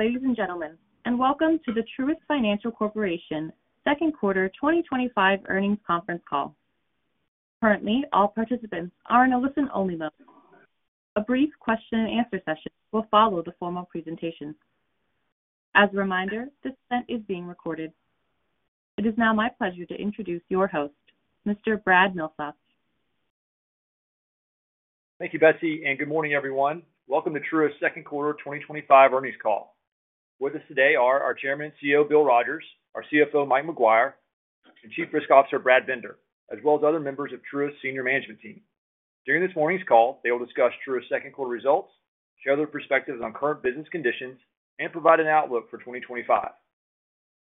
Greetings, ladies and gentlemen, and welcome to the Truist Financial Corporation Second Quarter 2025 Earnings Conference Call. Currently, all participants are in a listen-only mode. A brief question-and-answer session will follow the formal presentation. As a reminder, this event is being recorded. It is now my pleasure to introduce your host, Mr. Brad Milsaps. Thank you, Betsy, and good morning, everyone. Welcome to Truist's Second Quarter 2025 Earnings Call. With us today are our Chairman and CEO, Bill Rogers, our CFO, Mike Maguire, and Chief Risk Officer, Brad Bender, as well as other members of Truist's Senior Management Team. During this morning's call, they will discuss Truist's Second Quarter results, share their perspectives on current business conditions, and provide an outlook for 2025.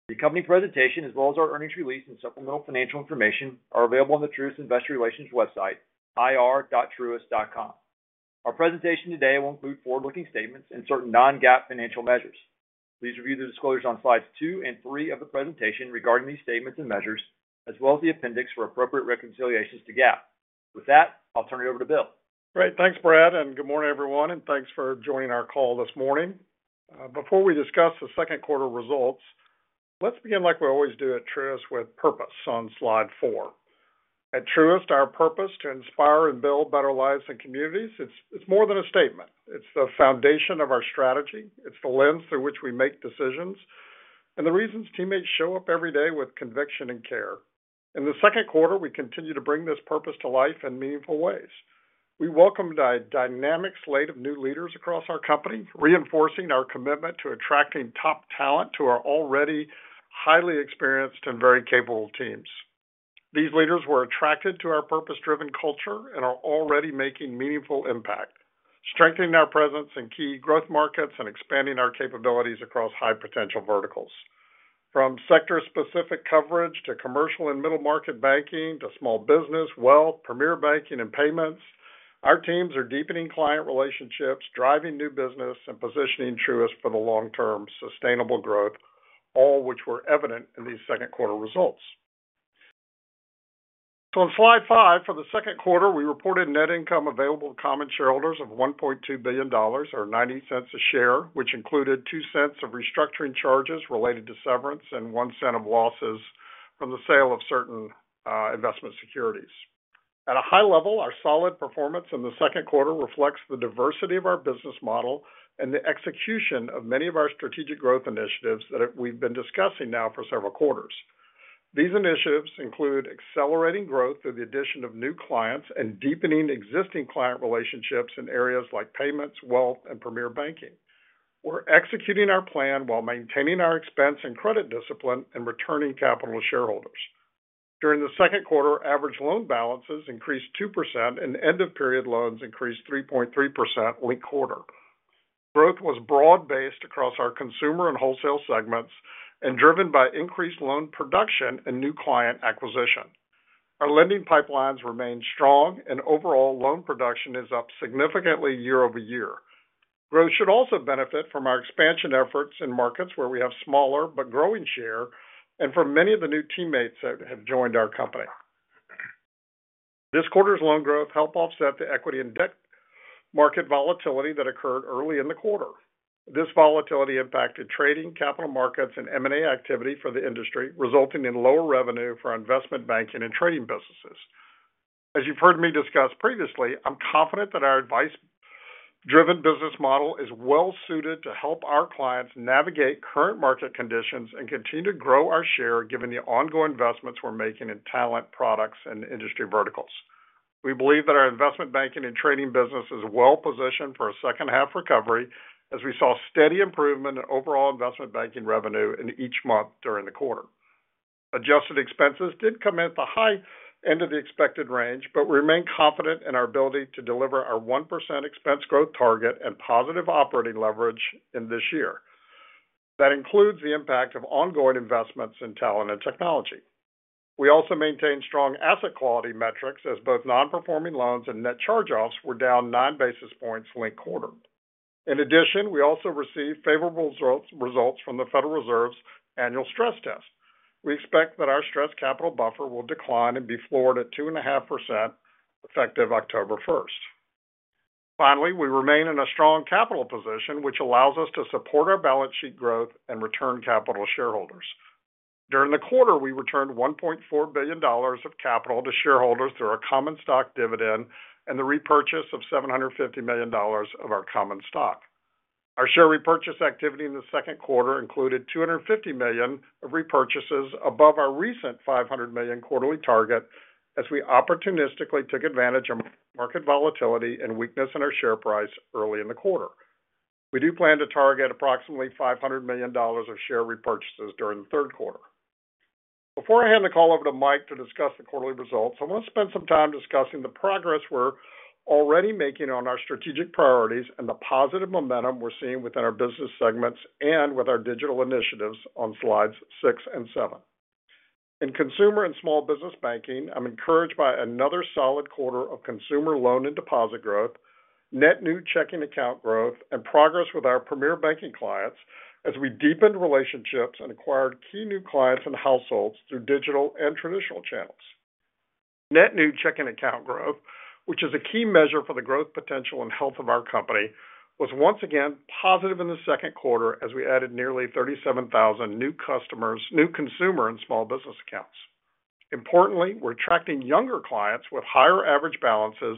The company presentation, as well as our earnings release and supplemental financial information, are available on the Truist Investor Relations website, ir.truist.com. Our presentation today will include forward-looking statements and certain non-GAAP financial measures. Please review the disclosures on slides two and three of the presentation regarding these statements and measures, as well as the appendix for appropriate reconciliations to GAAP. With that, I'll turn it over to Bill. Great. Thanks, Brad, and good morning, everyone, and thanks for joining our call this morning. Before we discuss the second quarter results, let's begin like we always do at Truist with purpose on slide four. At Truist, our purpose is to inspire and build better lives and communities. It's more than a statement. It's the foundation of our strategy. It's the lens through which we make decisions and the reasons teammates show up every day with conviction and care. In the second quarter, we continue to bring this purpose to life in meaningful ways. We welcome a dynamic slate of new leaders across our company, reinforcing our commitment to attracting top talent to our already highly experienced and very capable teams. These leaders were attracted to our purpose-driven culture and are already making a meaningful impact, strengthening our presence in key growth markets and expanding our capabilities across high-potential verticals. From sector-specific coverage to commercial and middle-market banking to small business, wealth, premier banking, and payments, our teams are deepening client relationships, driving new business, and positioning Truist for the long-term sustainable growth, all of which were evident in these second-quarter results. On slide five for the second quarter, we reported net income available to common shareholders of $1.2 billion, or $0.90 a share, which included $0.02 of restructuring charges related to severance and $0.01 of losses from the sale of certain investment securities. At a high level, our solid performance in the second quarter reflects the diversity of our business model and the execution of many of our strategic growth initiatives that we've been discussing now for several quarters. These initiatives include accelerating growth through the addition of new clients and deepening existing client relationships in areas like payments, wealth, and premier banking. We're executing our plan while maintaining our expense and credit discipline and returning capital to shareholders. During the second quarter, average loan balances increased 2%, and end-of-period loans increased 3.3% in the quarter. Growth was broad-based across our consumer and wholesale segments and driven by increased loan production and new client acquisition. Our lending pipelines remain strong, and overall loan production is up significantly year over year. Growth should also benefit from our expansion efforts in markets where we have a smaller but growing share and from many of the new teammates that have joined our company. This quarter's loan growth helped offset the equity and debt market volatility that occurred early in the quarter. This volatility impacted trading, capital markets, and M&A activity for the industry, resulting in lower revenue for investment banking and trading businesses. As you've heard me discuss previously, I'm confident that our advice-driven business model is well-suited to help our clients navigate current market conditions and continue to grow our share, given the ongoing investments we're making in talent, products, and industry verticals. We believe that our investment banking and trading business is well-positioned for a second-half recovery, as we saw steady improvement in overall investment banking revenue in each month during the quarter. Adjusted expenses did come in at the high end of the expected range, but we remain confident in our ability to deliver our 1% expense growth target and positive operating leverage in this year. That includes the impact of ongoing investments in talent and technology. We also maintain strong asset quality metrics, as both non-performing loans and net charge-offs were down nine basis points late quarter. In addition, we also received favorable results from the Federal Reserve's annual stress test. We expect that our Stress Capital Buffer will decline and be floored at 2.5% effective October 1st. Finally, we remain in a strong capital position, which allows us to support our balance sheet growth and return capital to shareholders. During the quarter, we returned $1.4 billion of capital to shareholders through our common stock dividend and the repurchase of $750 million of our common stock. Our share repurchase activity in the second quarter included $250 million of repurchases above our recent $500 million quarterly target, as we opportunistically took advantage of market volatility and weakness in our share price early in the quarter. We do plan to target approximately $500 million of share repurchases during the third quarter. Before I hand the call over to Mike to discuss the quarterly results, I want to spend some time discussing the progress we're already making on our strategic priorities and the positive momentum we're seeing within our business segments and with our digital initiatives on slides six and seven. In consumer and small business banking, I'm encouraged by another solid quarter of consumer loan and deposit growth, net new checking account growth, and progress with our premier banking clients as we deepened relationships and acquired key new clients and households through digital and traditional channels. Net new checking account growth, which is a key measure for the growth potential and health of our company, was once again positive in the second quarter as we added nearly 37,000 new customers, new consumer, and small business accounts. Importantly, we're attracting younger clients with higher average balances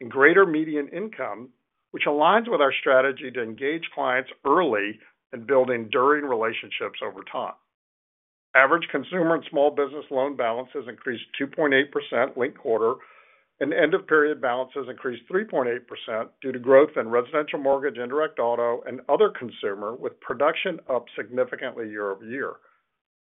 and greater median income, which aligns with our strategy to engage clients early and build enduring relationships over time. Average consumer and small business loan balances increased 2.8% late quarter, and end-of-period balances increased 3.8% due to growth in residential mortgage, indirect auto, and other consumer, with production up significantly year over year.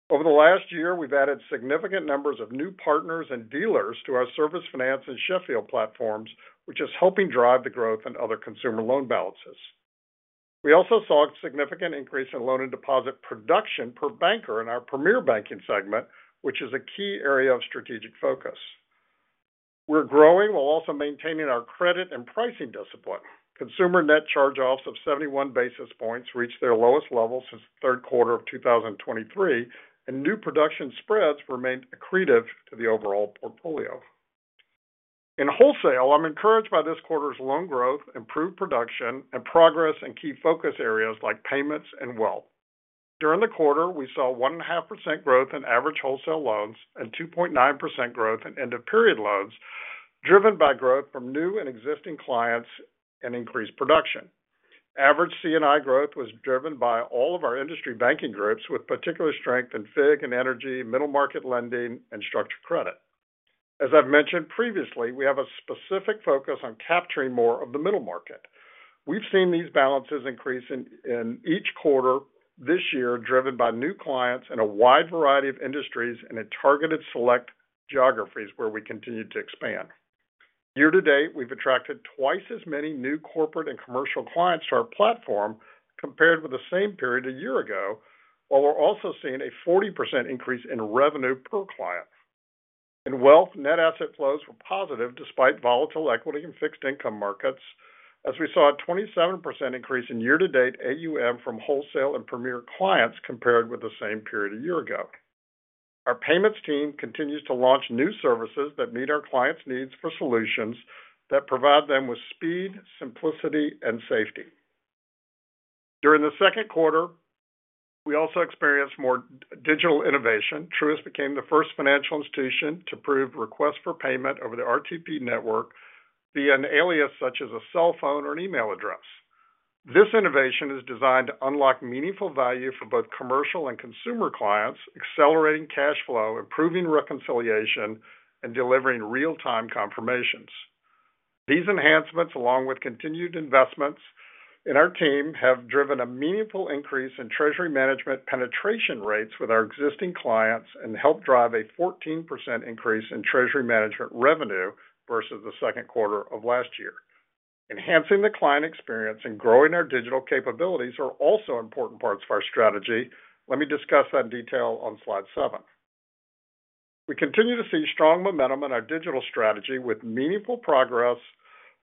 Over the last year, we've added significant numbers of new partners and dealers to our Service Finance and Sheffield platforms, which is helping drive the growth in other consumer loan balances. We also saw a significant increase in loan and deposit production per banker in our premier banking segment, which is a key area of strategic focus. We're growing while also maintaining our credit and pricing discipline. Consumer net charge-offs of 71 basis points reached their lowest level since the third quarter of 2023, and new production spreads remained accretive to the overall portfolio. In wholesale, I'm encouraged by this quarter's loan growth, improved production, and progress in key focus areas like payments and wealth. During the quarter, we saw 1.5% growth in average wholesale loans and 2.9% growth in end-of-period loans, driven by growth from new and existing clients and increased production. Average C&I growth was driven by all of our industry banking groups, with particular strength in FIG and energy, middle market lending, and structured credit. As I've mentioned previously, we have a specific focus on capturing more of the middle market. We've seen these balances increase in each quarter this year, driven by new clients in a wide variety of industries and in targeted select geographies where we continue to expand. Year to date, we've attracted twice as many new corporate and commercial clients to our platform compared with the same period a year ago, while we're also seeing a 40% increase in revenue per client. In wealth, net asset flows were positive despite volatile equity and fixed income markets, as we saw a 27% increase in year-to-date AUM from wholesale and premier clients compared with the same period a year ago. Our payments team continues to launch new services that meet our clients' needs for solutions that provide them with speed, simplicity, and safety. During the second quarter, we also experienced more digital innovation. Truist became the first financial institution to approve requests for payment over the RTP network via an alias such as a cell phone or an email address. This innovation is designed to unlock meaningful value for both commercial and consumer clients, accelerating cash flow, improving reconciliation, and delivering real-time confirmations. These enhancements, along with continued investments in our team, have driven a meaningful increase in treasury management penetration rates with our existing clients and helped drive a 14% increase in treasury management revenue versus the second quarter of last year. Enhancing the client experience and growing our digital capabilities are also important parts of our strategy. Let me discuss that in detail on slide seven. We continue to see strong momentum in our digital strategy with meaningful progress,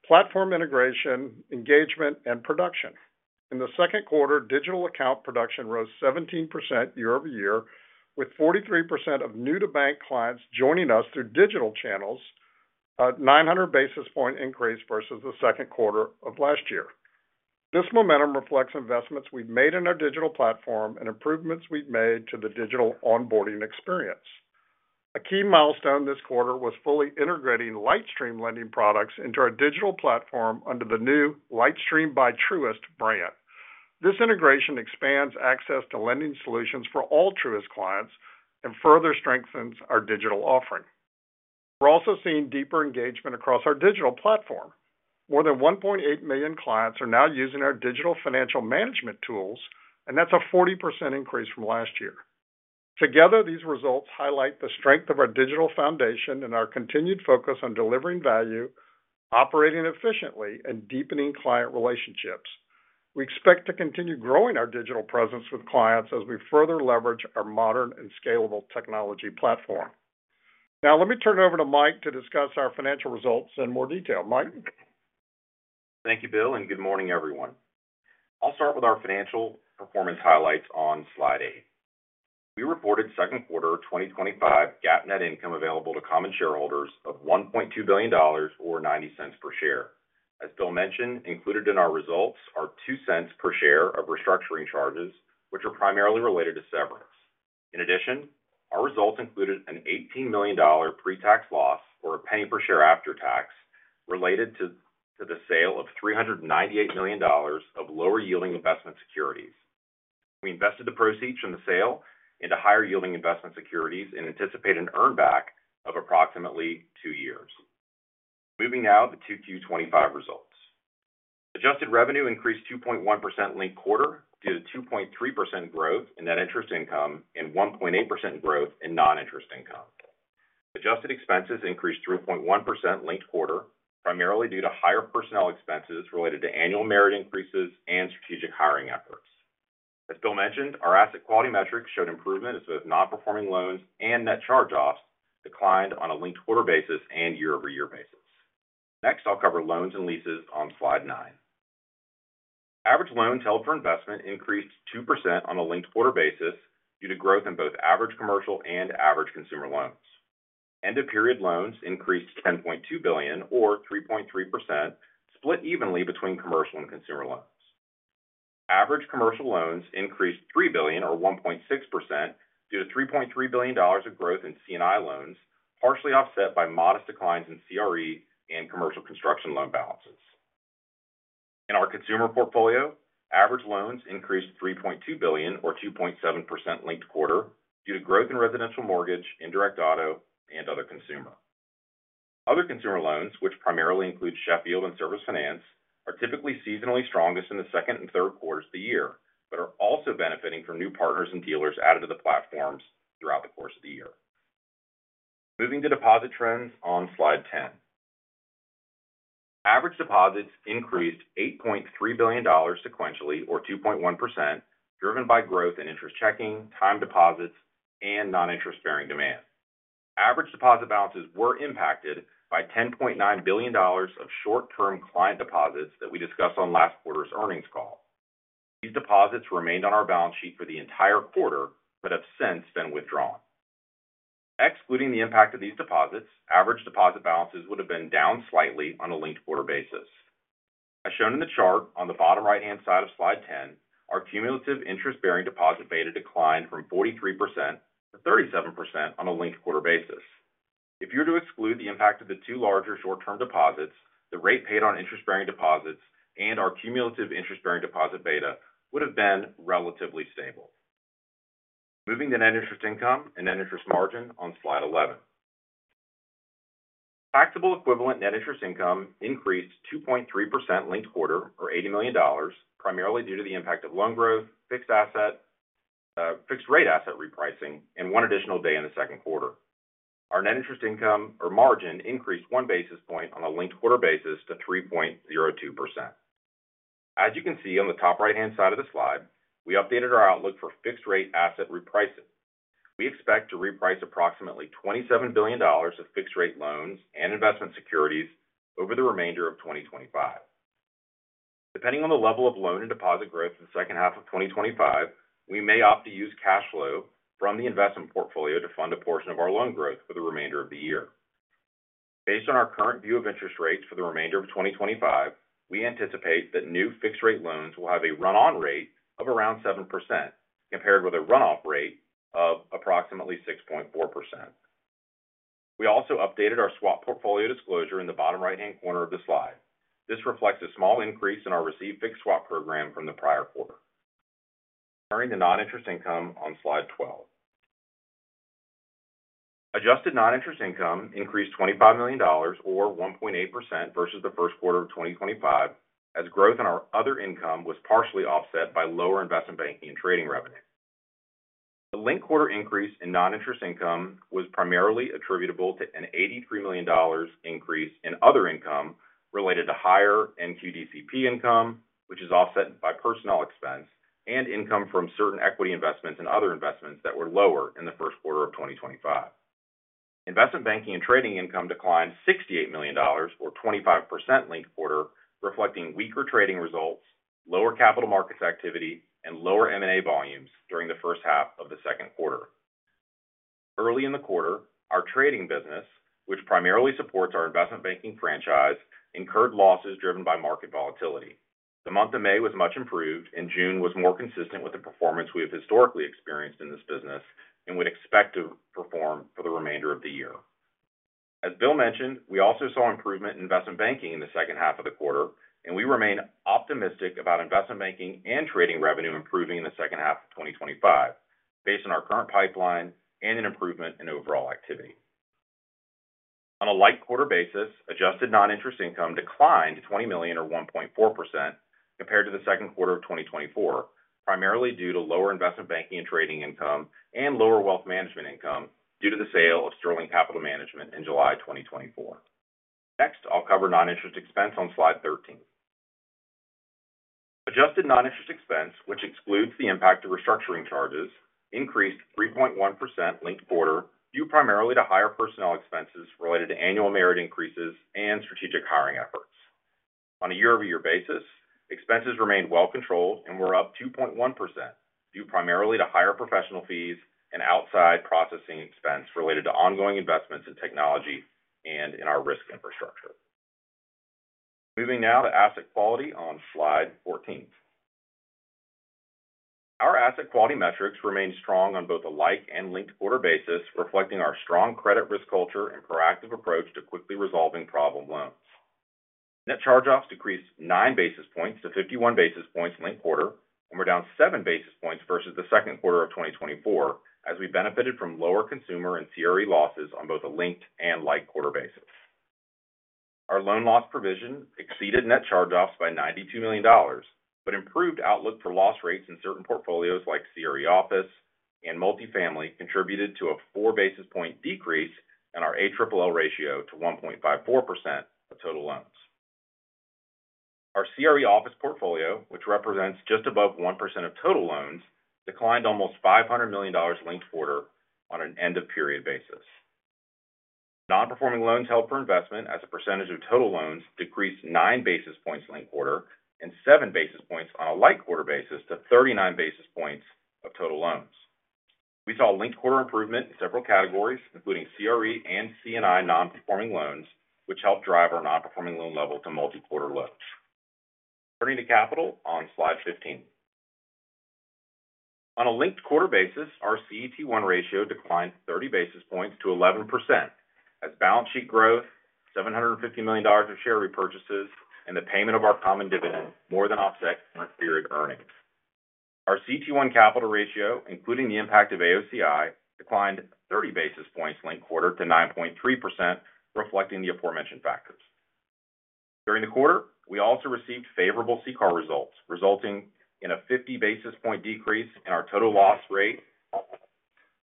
platform integration, engagement, and production. In the second quarter, digital account production rose 17% year over year, with 43% of new-to-bank clients joining us through digital channels, a 900 basis point increase versus the second quarter of last year. This momentum reflects investments we've made in our digital platform and improvements we've made to the digital onboarding experience. A key milestone this quarter was fully integrating LightStream lending products into our digital platform under the new LightStream by Truist brand. This integration expands access to lending solutions for all Truist clients and further strengthens our digital offering. We're also seeing deeper engagement across our digital platform. More than 1.8 million clients are now using our digital financial management tools, and that's a 40% increase from last year. Together, these results highlight the strength of our digital foundation and our continued focus on delivering value, operating efficiently, and deepening client relationships. We expect to continue growing our digital presence with clients as we further leverage our modern and scalable technology platform. Now, let me turn it over to Mike to discuss our financial results in more detail. Mike. Thank you, Bill, and good morning, everyone. I'll start with our financial performance highlights on slide eight. We reported second quarter 2025 GAAP net income available to common shareholders of $1.2 billion, or $0.90 per share. As Bill mentioned, included in our results are $0.02 per share of restructuring charges, which are primarily related to severance. In addition, our results included an $18 million pre-tax loss or $0.01 per share after-tax related to the sale of $398 million of lower-yielding investment securities. We invested the proceeds from the sale into higher-yielding investment securities and anticipate an Earnback of approximately two years. Moving now to Q2 2025 results. Adjusted revenue increased 2.1% linked quarter due to 2.3% growth in net interest income and 1.8% growth in non-interest income. Adjusted expenses increased 3.1% linked quarter, primarily due to higher personnel expenses related to annual merit increases and strategic hiring efforts. As Bill mentioned, our asset quality metrics showed improvements with non-performing loans and net charge-offs declined on a linked quarter basis and year-over-year basis. Next, I'll cover loans and leases on slide nine. Average loans held for investment increased 2% on a linked quarter basis due to growth in both average commercial and average consumer loans. End-of-period loans increased $10.2 billion, or 3.3%, split evenly between commercial and consumer loans. Average commercial loans increased $3 billion, or 1.6%, due to $3.3 billion of growth in C&I loans, partially offset by modest declines in CRE and commercial construction loan balances. In our consumer portfolio, average loans increased $3.2 billion, or 2.7% linked quarter, due to growth in residential mortgage, indirect auto, and other consumer. Other consumer loans, which primarily include Sheffield Financial and Service Finance, are typically seasonally strongest in the second and third quarters of the year, but are also benefiting from new partners and dealers added to the platforms throughout the course of the year. Moving to deposit trends on slide 10. Average deposits increased $8.3 billion sequentially, or 2.1%, driven by growth in interest checking, time deposits, and non-interest-bearing demand. Average deposit balances were impacted by $10.9 billion of short-term client deposits that we discussed on last Quarter's Earnings Call. These deposits remained on our balance sheet for the entire quarter but have since been withdrawn. Excluding the impact of these deposits, average deposit balances would have been down slightly on a linked quarter basis. As shown in the chart on the bottom right-hand side of slide 10, our cumulative interest-bearing deposit beta declined from 43% to 37% on a linked quarter basis. If you were to exclude the impact of the two larger short-term deposits, the rate paid on interest-bearing deposits and our cumulative interest-bearing deposit beta would have been relatively stable. Moving to net interest income and net interest margin on slide 11. Taxable equivalent net interest income increased 2.3% linked quarter, or $80 million, primarily due to the impact of loan growth, fixed rate asset repricing, and one additional day in the second quarter. Our net interest income, or margin, increased one basis point on a linked quarter basis to 3.02%. As you can see on the top right-hand side of the slide, we updated our outlook for fixed rate asset repricing. We expect to reprice approximately $27 billion of fixed rate loans and investment securities over the remainder of 2025. Depending on the level of loan and deposit growth in the second half of 2025, we may opt to use cash flow from the investment portfolio to fund a portion of our loan growth for the remainder of the year. Based on our current view of interest rates for the remainder of 2025, we anticipate that new fixed rate loans will have a run-on rate of around 7% compared with a run-off rate of approximately 6.4%. We also updated our swap portfolio disclosure in the bottom right-hand corner of the slide. This reflects a small increase in our receipt fixed swap program from the prior quarter. Turning to non-interest income on slide 12. Adjusted non-interest income increased $25 million, or 1.8%, versus the first quarter of 2025, as growth in our other income was partially offset by lower investment banking and trading revenue. The linked quarter increase in non-interest income was primarily attributable to an $83 million increase in other income related to higher NQDCP income, which is offset by personnel expense and income from certain equity investments and other investments that were lower in the first quarter of 2025. Investment banking and trading income declined $68 million, or 25% linked quarter, reflecting weaker trading results, lower capital markets activity, and lower M&A volumes during the first half of the second quarter. Early in the quarter, our trading business, which primarily supports our investment banking franchise, incurred losses driven by market volatility. The month of May was much improved, and June was more consistent with the performance we have historically experienced in this business and would expect to perform for the remainder of the year. As Bill mentioned, we also saw improvement in investment banking in the second half of the quarter, and we remain optimistic about investment banking and trading revenue improving in the second half of 2025, based on our current pipeline and an improvement in overall activity. On a linked quarter basis, adjusted non-interest income declined $20 million, or 1.4%, compared to the second quarter of 2024, primarily due to lower investment banking and trading income and lower wealth management income due to the sale of Sterling Capital Management in July 2024. Next, I'll cover non-interest expense on slide 13. Adjusted non-interest expense, which excludes the impact of restructuring charges, increased 3.1% linked quarter, due primarily to higher personnel expenses related to annual merit increases and strategic hiring efforts. On a year-over-year basis, expenses remained well controlled and were up 2.1%, due primarily to higher professional fees and outside processing expense related to ongoing investments in technology and in our risk infrastructure. Moving now to asset quality on slide 14. Our asset quality metrics remained strong on both a linked and year-over-year basis, reflecting our strong credit risk culture and proactive approach to quickly resolving problem loans. Net charge-offs decreased 9 basis points to 51 basis points linked quarter, and we're down 7 basis points versus the second quarter of 2024, as we benefited from lower consumer and CRE losses on both a linked and year-over-year basis. Our loan loss provision exceeded net charge-offs by $92 million, but improved outlook for loss rates in certain portfolios like CRE Office and Multifamily contributed to a 4 basis point decrease in our ALLL ratio to 1.54% of total loans. Our CRE Office portfolio, which represents just above 1% of total loans, declined almost $500 million linked quarter on an end-of-period basis. Non-performing loans held for investment, as a percentage of total loans, decreased 9 basis points linked quarter and 7 basis points on a year-over-year basis to 39 basis points of total loans. We saw linked quarter improvement in several categories, including CRE and C&I non-performing loans, which helped drive our non-performing loan level to multi-quarter lows. Turning to capital on slide 15. On a linked quarter basis, our CET1 ratio declined 30 basis points to 11%, as balance sheet growth, $750 million of share repurchases, and the payment of our common dividend more than offset current period earnings. Our CET1 capital ratio, including the impact of AOCI, declined 30 basis points linked quarter to 9.3%, reflecting the aforementioned factors. During the quarter, we also received favorable CCAR results, resulting in a 50 basis point decrease in our total loss rate.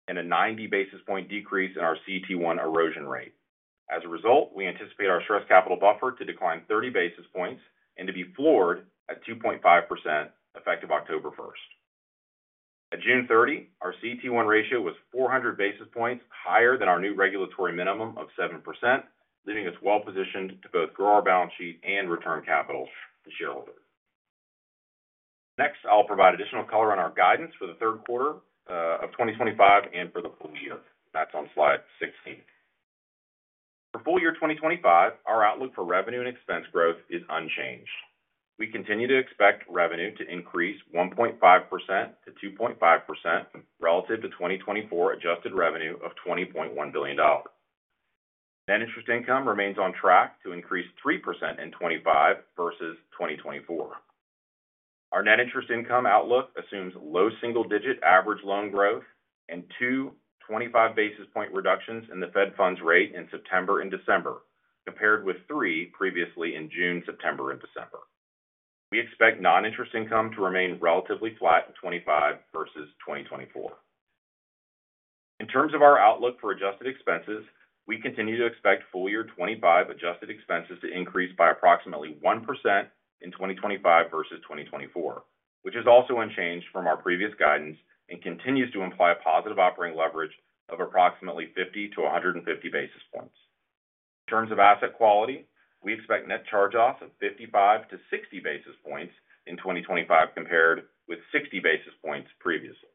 And a 90 basis point decrease in our CET1 erosion rate. As a result, we anticipate our Stress Capital Buffer to decline 30 basis points and to be floored at 2.5% effective October 1st. At June 30, our CET1 ratio was 400 basis points higher than our new regulatory minimum of 7%, leaving us well positioned to both grow our balance sheet and return capital to shareholders. Next, I'll provide additional color on our guidance for the third quarter of 2025 and for the full year. That's on slide 16. For full year 2025, our outlook for revenue and expense growth is unchanged. We continue to expect revenue to increase 1.5%-2.5% relative to 2024 adjusted revenue of $20.1 billion. Net interest income remains on track to increase 3% in 2025 versus 2024. Our net interest income outlook assumes low single-digit average loan growth and two 25 basis point reductions in the Fed Funds rate in September and December, compared with three previously in June, September, and December. We expect non-interest income to remain relatively flat in 2025 versus 2024. In terms of our outlook for adjusted expenses, we continue to expect full year 2025 adjusted expenses to increase by approximately 1% in 2025 versus 2024, which is also unchanged from our previous guidance and continues to imply positive operating leverage of approximately 50-150 basis points. In terms of asset quality, we expect net charge-offs of 55-60 basis points in 2025, compared with 60 basis points previously.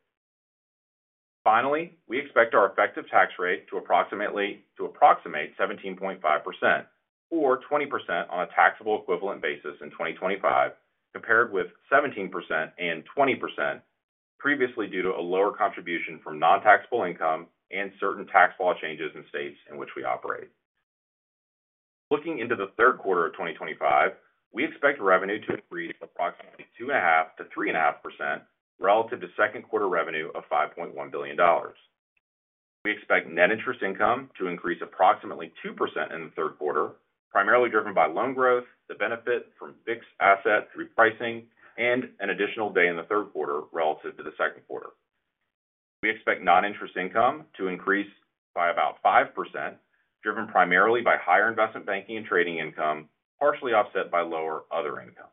Finally, we expect our effective tax rate to approximate 17.5%, or 20% on a taxable equivalent basis in 2025, compared with 17% and 20% previously due to a lower contribution from non-taxable income and certain tax law changes in states in which we operate. Looking into the third quarter of 2025, we expect revenue to increase approximately 2.5%-3.5% relative to second quarter revenue of $5.1 billion. We expect net interest income to increase approximately 2% in the third quarter, primarily driven by loan growth, the benefit from fixed asset repricing, and an additional day in the third quarter relative to the second quarter. We expect non-interest income to increase by about 5%, driven primarily by higher investment banking and trading income, partially offset by lower other income.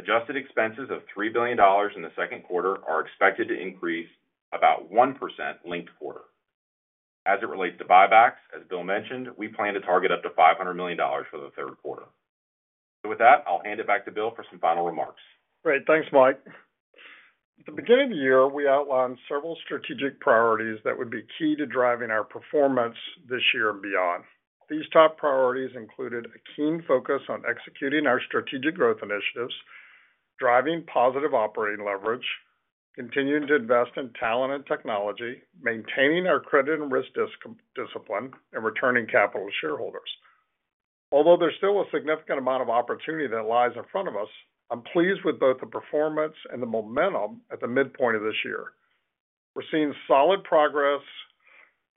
Adjusted expenses of $3 billion in the second quarter are expected to increase about 1% late quarter. As it relates to buybacks, as Bill mentioned, we plan to target up to $500 million for the third quarter. With that, I'll hand it back to Bill for some final remarks. Great. Thanks, Mike. At the beginning of the year, we outlined several strategic priorities that would be key to driving our performance this year and beyond. These top priorities included a keen focus on executing our strategic growth initiatives, driving positive operating leverage, continuing to invest in talent and technology, maintaining our credit and risk discipline, and returning capital to shareholders. Although there's still a significant amount of opportunity that lies in front of us, I'm pleased with both the performance and the momentum at the midpoint of this year. We're seeing solid progress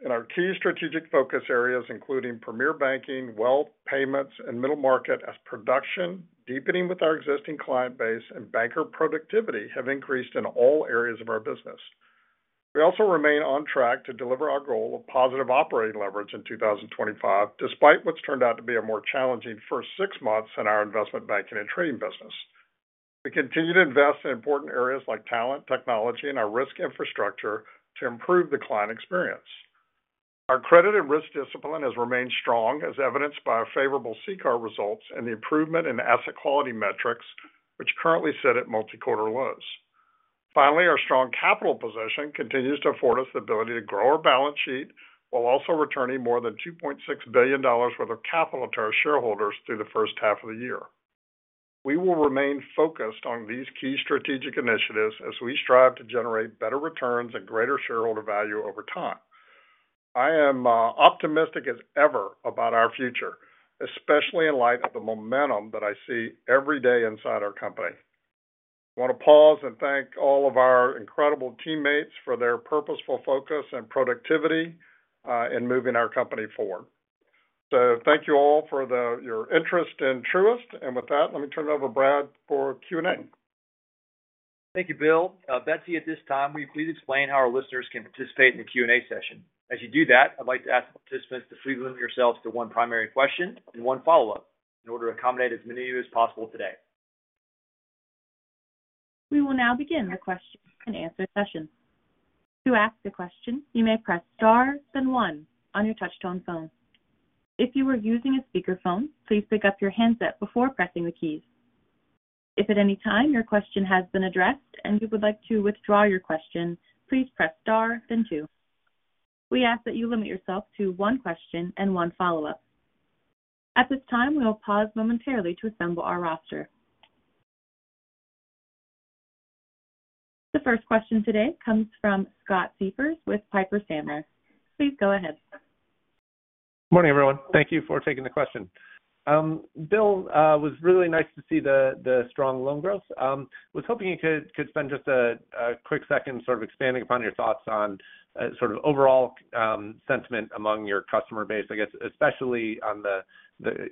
in our key strategic focus areas, including premier banking, wealth payments, and middle market, as production deepening with our existing client base and banker productivity have increased in all areas of our business. We also remain on track to deliver our goal of positive operating leverage in 2025, despite what's turned out to be a more challenging first six months in our investment banking and trading business. We continue to invest in important areas like talent, technology, and our risk infrastructure to improve the client experience. Our credit and risk discipline has remained strong, as evidenced by our favorable CCAR results and the improvement in asset quality metrics, which currently sit at multi-quarter lows. Finally, our strong capital position continues to afford us the ability to grow our balance sheet while also returning more than $2.6 billion worth of capital to our shareholders through the first half of the year. We will remain focused on these key strategic initiatives as we strive to generate better returns and greater shareholder value over time. I am optimistic as ever about our future, especially in light of the momentum that I see every day inside our company. I want to pause and thank all of our incredible teammates for their purposeful focus and productivity in moving our company forward. Thank you all for your interest and Truist. With that, let me turn it over to Brad for Q&A. Thank you, Bill. Betsy, at this time, will you please explain how our listeners can participate in the Q&A session? As you do that, I'd like to ask the participants to please limit yourselves to one primary question and one follow-up in order to accommodate as many of you as possible today. We will now begin the question and answer session. To ask a question, you may press star then one on your touch-tone phone. If you are using a speakerphone, please pick up your handset before pressing the keys. If at any time your question has been addressed and you would like to withdraw your question, please press star then two. We ask that you limit yourself to one question and one follow-up. At this time, we will pause momentarily to assemble our roster. The first question today comes from Scott Siefers with Piper Sandler. Please go ahead. Good morning, everyone. Thank you for taking the question. Bill, it was really nice to see the strong loan growth. I was hoping you could spend just a quick second sort of expanding upon your thoughts on sort of overall sentiment among your customer base, I guess, especially on the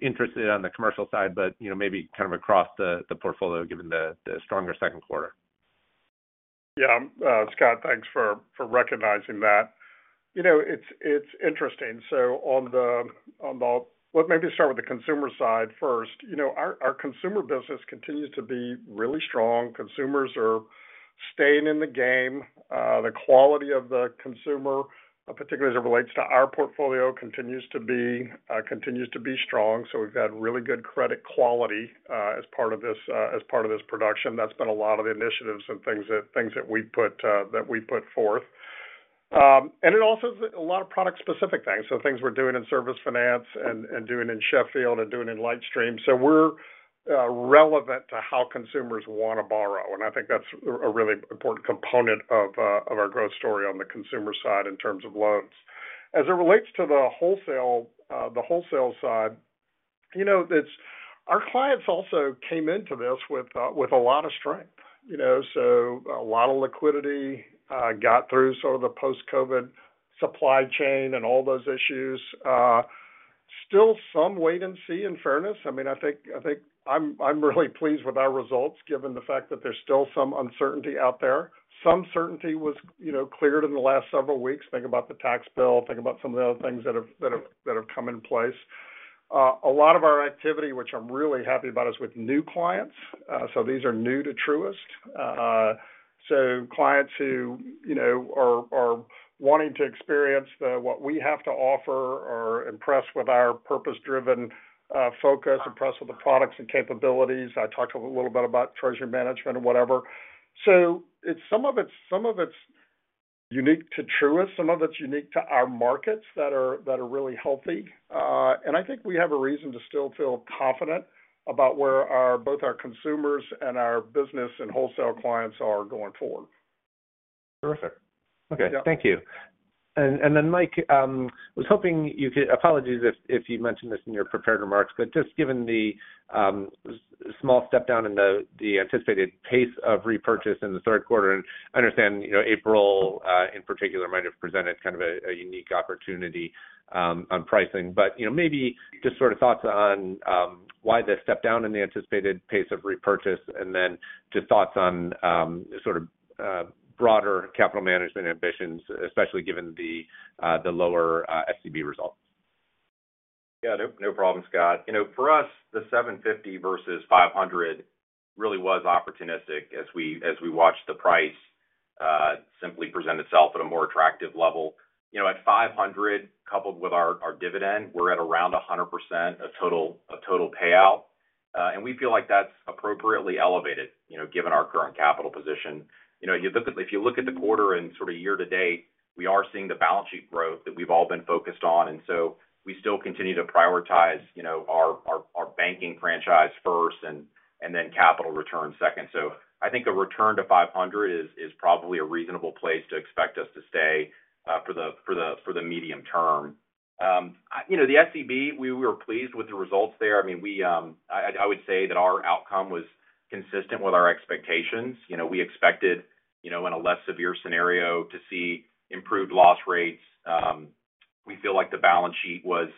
interested on the commercial side, but maybe kind of across the portfolio given the stronger second quarter. Yeah. Scott, thanks for recognizing that. It's interesting. Let me start with the consumer side first. Our consumer business continues to be really strong. Consumers are staying in the game. The quality of the consumer, particularly as it relates to our portfolio, continues to be strong. We've had really good credit quality as part of this production. That's been a lot of the initiatives and things that we put forth. It also is a lot of product-specific things, so things we're doing in Service Finance and doing in Sheffield Financial and doing in LightStream. We're relevant to how consumers want to borrow. I think that's a really important component of our growth story on the consumer side in terms of loans. As it relates to the wholesale side, our clients also came into this with a lot of strength. A lot of liquidity got through sort of the post-COVID supply chain and all those issues. Still some wait and see in fairness. I mean, I think I'm really pleased with our results given the fact that there's still some uncertainty out there. Some certainty was cleared in the last several weeks. Think about the tax bill. Think about some of the other things that have come in place. A lot of our activity, which I'm really happy about, is with new clients. So these are new to Truist. So clients who are wanting to experience what we have to offer are impressed with our purpose-driven focus, impressed with the products and capabilities. I talked a little bit about treasury management and whatever. So some of it's unique to Truist. Some of it's unique to our markets that are really healthy. I think we have a reason to still feel confident about where both our consumers and our business and wholesale clients are going forward. Terrific. Okay. Thank you. Then, Mike, I was hoping you could apologize if you mentioned this in your prepared remarks, but just given the small step down in the anticipated pace of repurchase in the third quarter, and I understand April in particular might have presented kind of a unique opportunity on pricing. But maybe just sort of thoughts on why this stepped down in the anticipated pace of repurchase and then just thoughts on sort of broader capital management ambitions, especially given the lower SCB results. Yeah. No problem, Scott. For us, the $750 versus $500 really was opportunistic as we watched the price simply present itself at a more attractive level. At $500, coupled with our dividend, we're at around 100% of total payout. We feel like that's appropriately elevated given our current capital position. If you look at the quarter and sort of year to date, we are seeing the balance sheet growth that we've all been focused on. So we still continue to prioritize our banking franchise first and then capital return second. So I think a return to $500 is probably a reasonable place to expect us to stay for the medium term. The SCB, we were pleased with the results there. I mean, I would say that our outcome was consistent with our expectations. We expected in a less severe scenario to see improved loss rates. We feel like the balance sheet was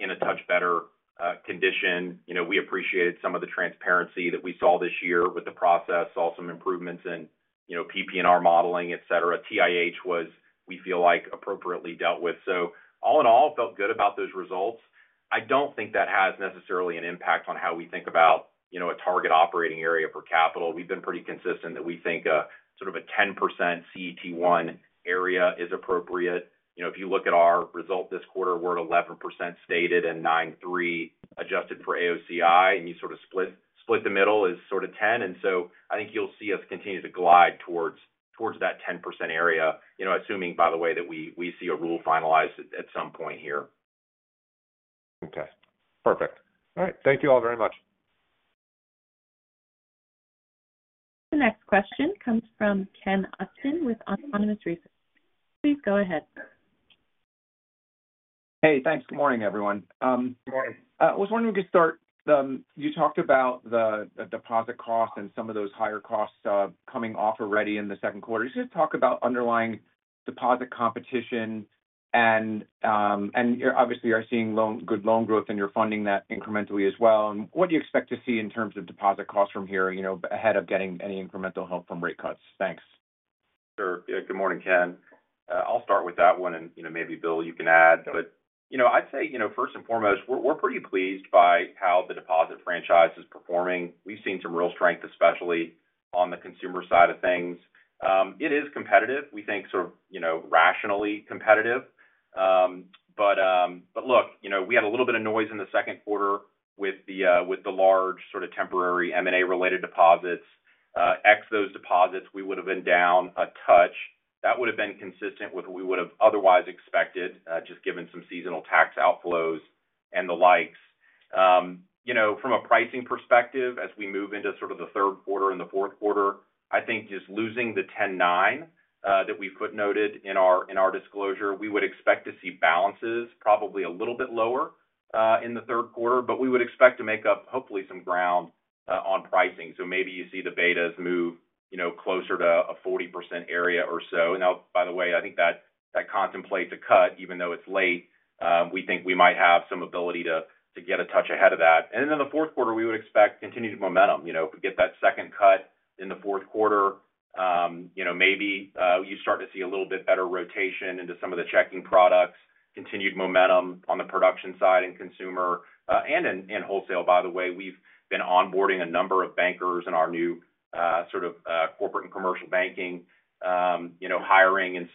in a touch better condition. We appreciated some of the transparency that we saw this year with the process, saw some improvements in PPNR modeling, etc. TIH was, we feel like, appropriately dealt with. So all in all, I felt good about those results. I don't think that has necessarily an impact on how we think about a target operating area for capital. We've been pretty consistent that we think sort of a 10% CET1 ratio area is appropriate. If you look at our result this quarter, we're at 11% stated and 9.3% adjusted for AOCI, and you sort of split the middle is sort of 10. So I think you'll see us continue to glide towards that 10% area, assuming, by the way, that we see a rule finalized at some point here. Okay. Perfect. All right. Thank you all very much. The next question comes from Ken Aydin with Autonomous Research. Please go ahead. Hey, thanks. Good morning, everyone. Good morning. I was wondering if we could start. You talked about the deposit costs and some of those higher costs coming off already in the second quarter. Just talk about underlying deposit competition. Obviously, you're seeing good loan growth and you're funding that incrementally as well. What do you expect to see in terms of deposit costs from here ahead of getting any incremental help from rate cuts? Thanks. Sure. Good morning, Ken. I'll start with that one. Maybe, Bill, you can add. I'd say, first and foremost, we're pretty pleased by how the deposit franchise is performing. We've seen some real strength, especially on the consumer side of things. It is competitive. We think sort of rationally competitive. Look, we had a little bit of noise in the second quarter with the large sort of temporary M&A-related deposits. Ex those deposits, we would have been down a touch. That would have been consistent with what we would have otherwise expected, just given some seasonal tax outflows and the likes. From a pricing perspective, as we move into sort of the third quarter and the fourth quarter, I think just losing the 10.9 that we footnoted in our disclosure, we would expect to see balances probably a little bit lower in the third quarter, but we would expect to make up, hopefully, some ground on pricing. Maybe you see the betas move closer to a 40% area or so. By the way, I think that contemplates a cut, even though it's late, we think we might have some ability to get a touch ahead of that. In the fourth quarter, we would expect continued momentum. If we get that second cut in the fourth quarter, maybe you start to see a little bit better rotation into some of the checking products, continued momentum on the production side and consumer. In wholesale, by the way, we've been onboarding a number of bankers in our new sort of corporate and commercial banking hiring.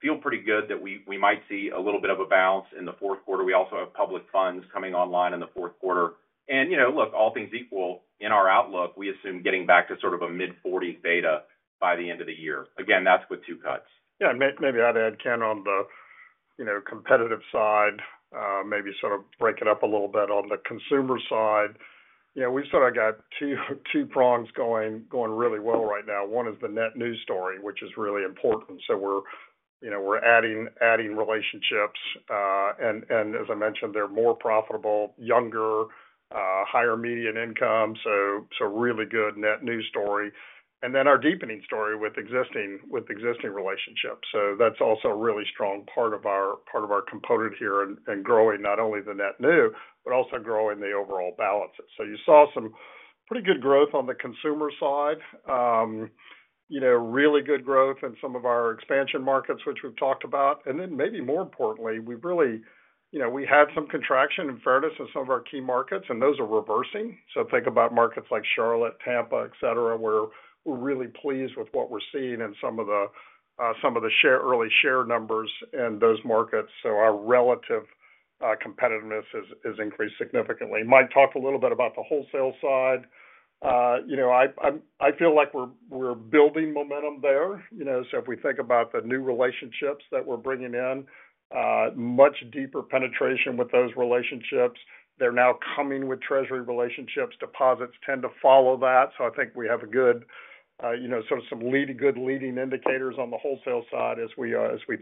Feel pretty good that we might see a little bit of a bounce in the fourth quarter. We also have public funds coming online in the fourth quarter. All things equal, in our outlook, we assume getting back to sort of a mid-40s beta by the end of the year. Again, that's with two cuts. Maybe I'd add, Ken, on the competitive side, maybe sort of break it up a little bit on the consumer side. We've sort of got two prongs going really well right now. One is the net new story, which is really important. We're adding relationships. As I mentioned, they're more profitable, younger, higher median income, so really good net new story. Then our deepening story with existing relationships. So that's also a really strong part of our component here in growing not only the net new, but also growing the overall balances. So you saw some pretty good growth on the consumer side. Really good growth in some of our expansion markets, which we've talked about. And then maybe more importantly, we really had some contraction in fairness in some of our key markets, and those are reversing. So think about markets like Charlotte, Tampa, etc., where we're really pleased with what we're seeing in some of the early share numbers in those markets. So our relative competitiveness has increased significantly. Mike talked a little bit about the wholesale side. I feel like we're building momentum there. So if we think about the new relationships that we're bringing in, much deeper penetration with those relationships. They're now coming with treasury relationships. Deposits tend to follow that. So I think we have some good leading indicators on the wholesale side as we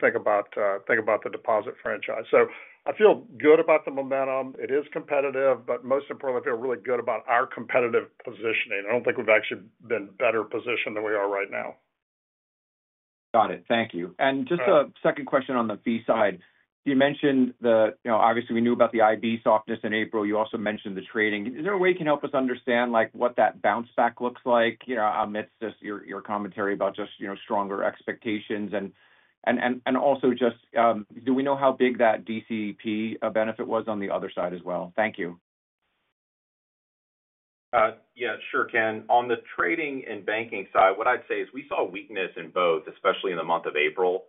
think about the deposit franchise. So I feel good about the momentum. It is competitive, but most importantly, I feel really good about our competitive positioning. I don't think we've actually been better positioned than we are right now. Got it. Thank you. Just a second question on the fee side. You mentioned the obviously, we knew about the IB softness in April. You also mentioned the trading. Is there a way you can help us understand what that bounce back looks like amidst your commentary about just stronger expectations? Also just do we know how big that DCEP benefit was on the other side as well? Thank you. Yeah. Sure, Ken. On the trading and banking side, what I'd say is we saw weakness in both, especially in the month of April.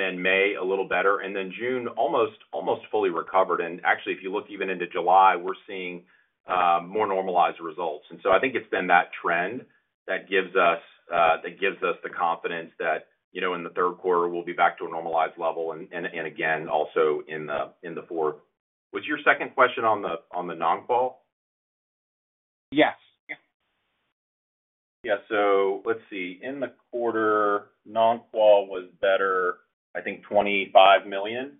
Then May a little better. Then June almost fully recovered. Actually, if you look even into July, we're seeing more normalized results. So I think it's been that trend that gives us the confidence that in the third quarter, we'll be back to a normalized level. Again, also in the fourth. Was your second question on the non-qual? Yes. Yeah. So let's see. In the quarter, non-qual was better, I think, $25 million.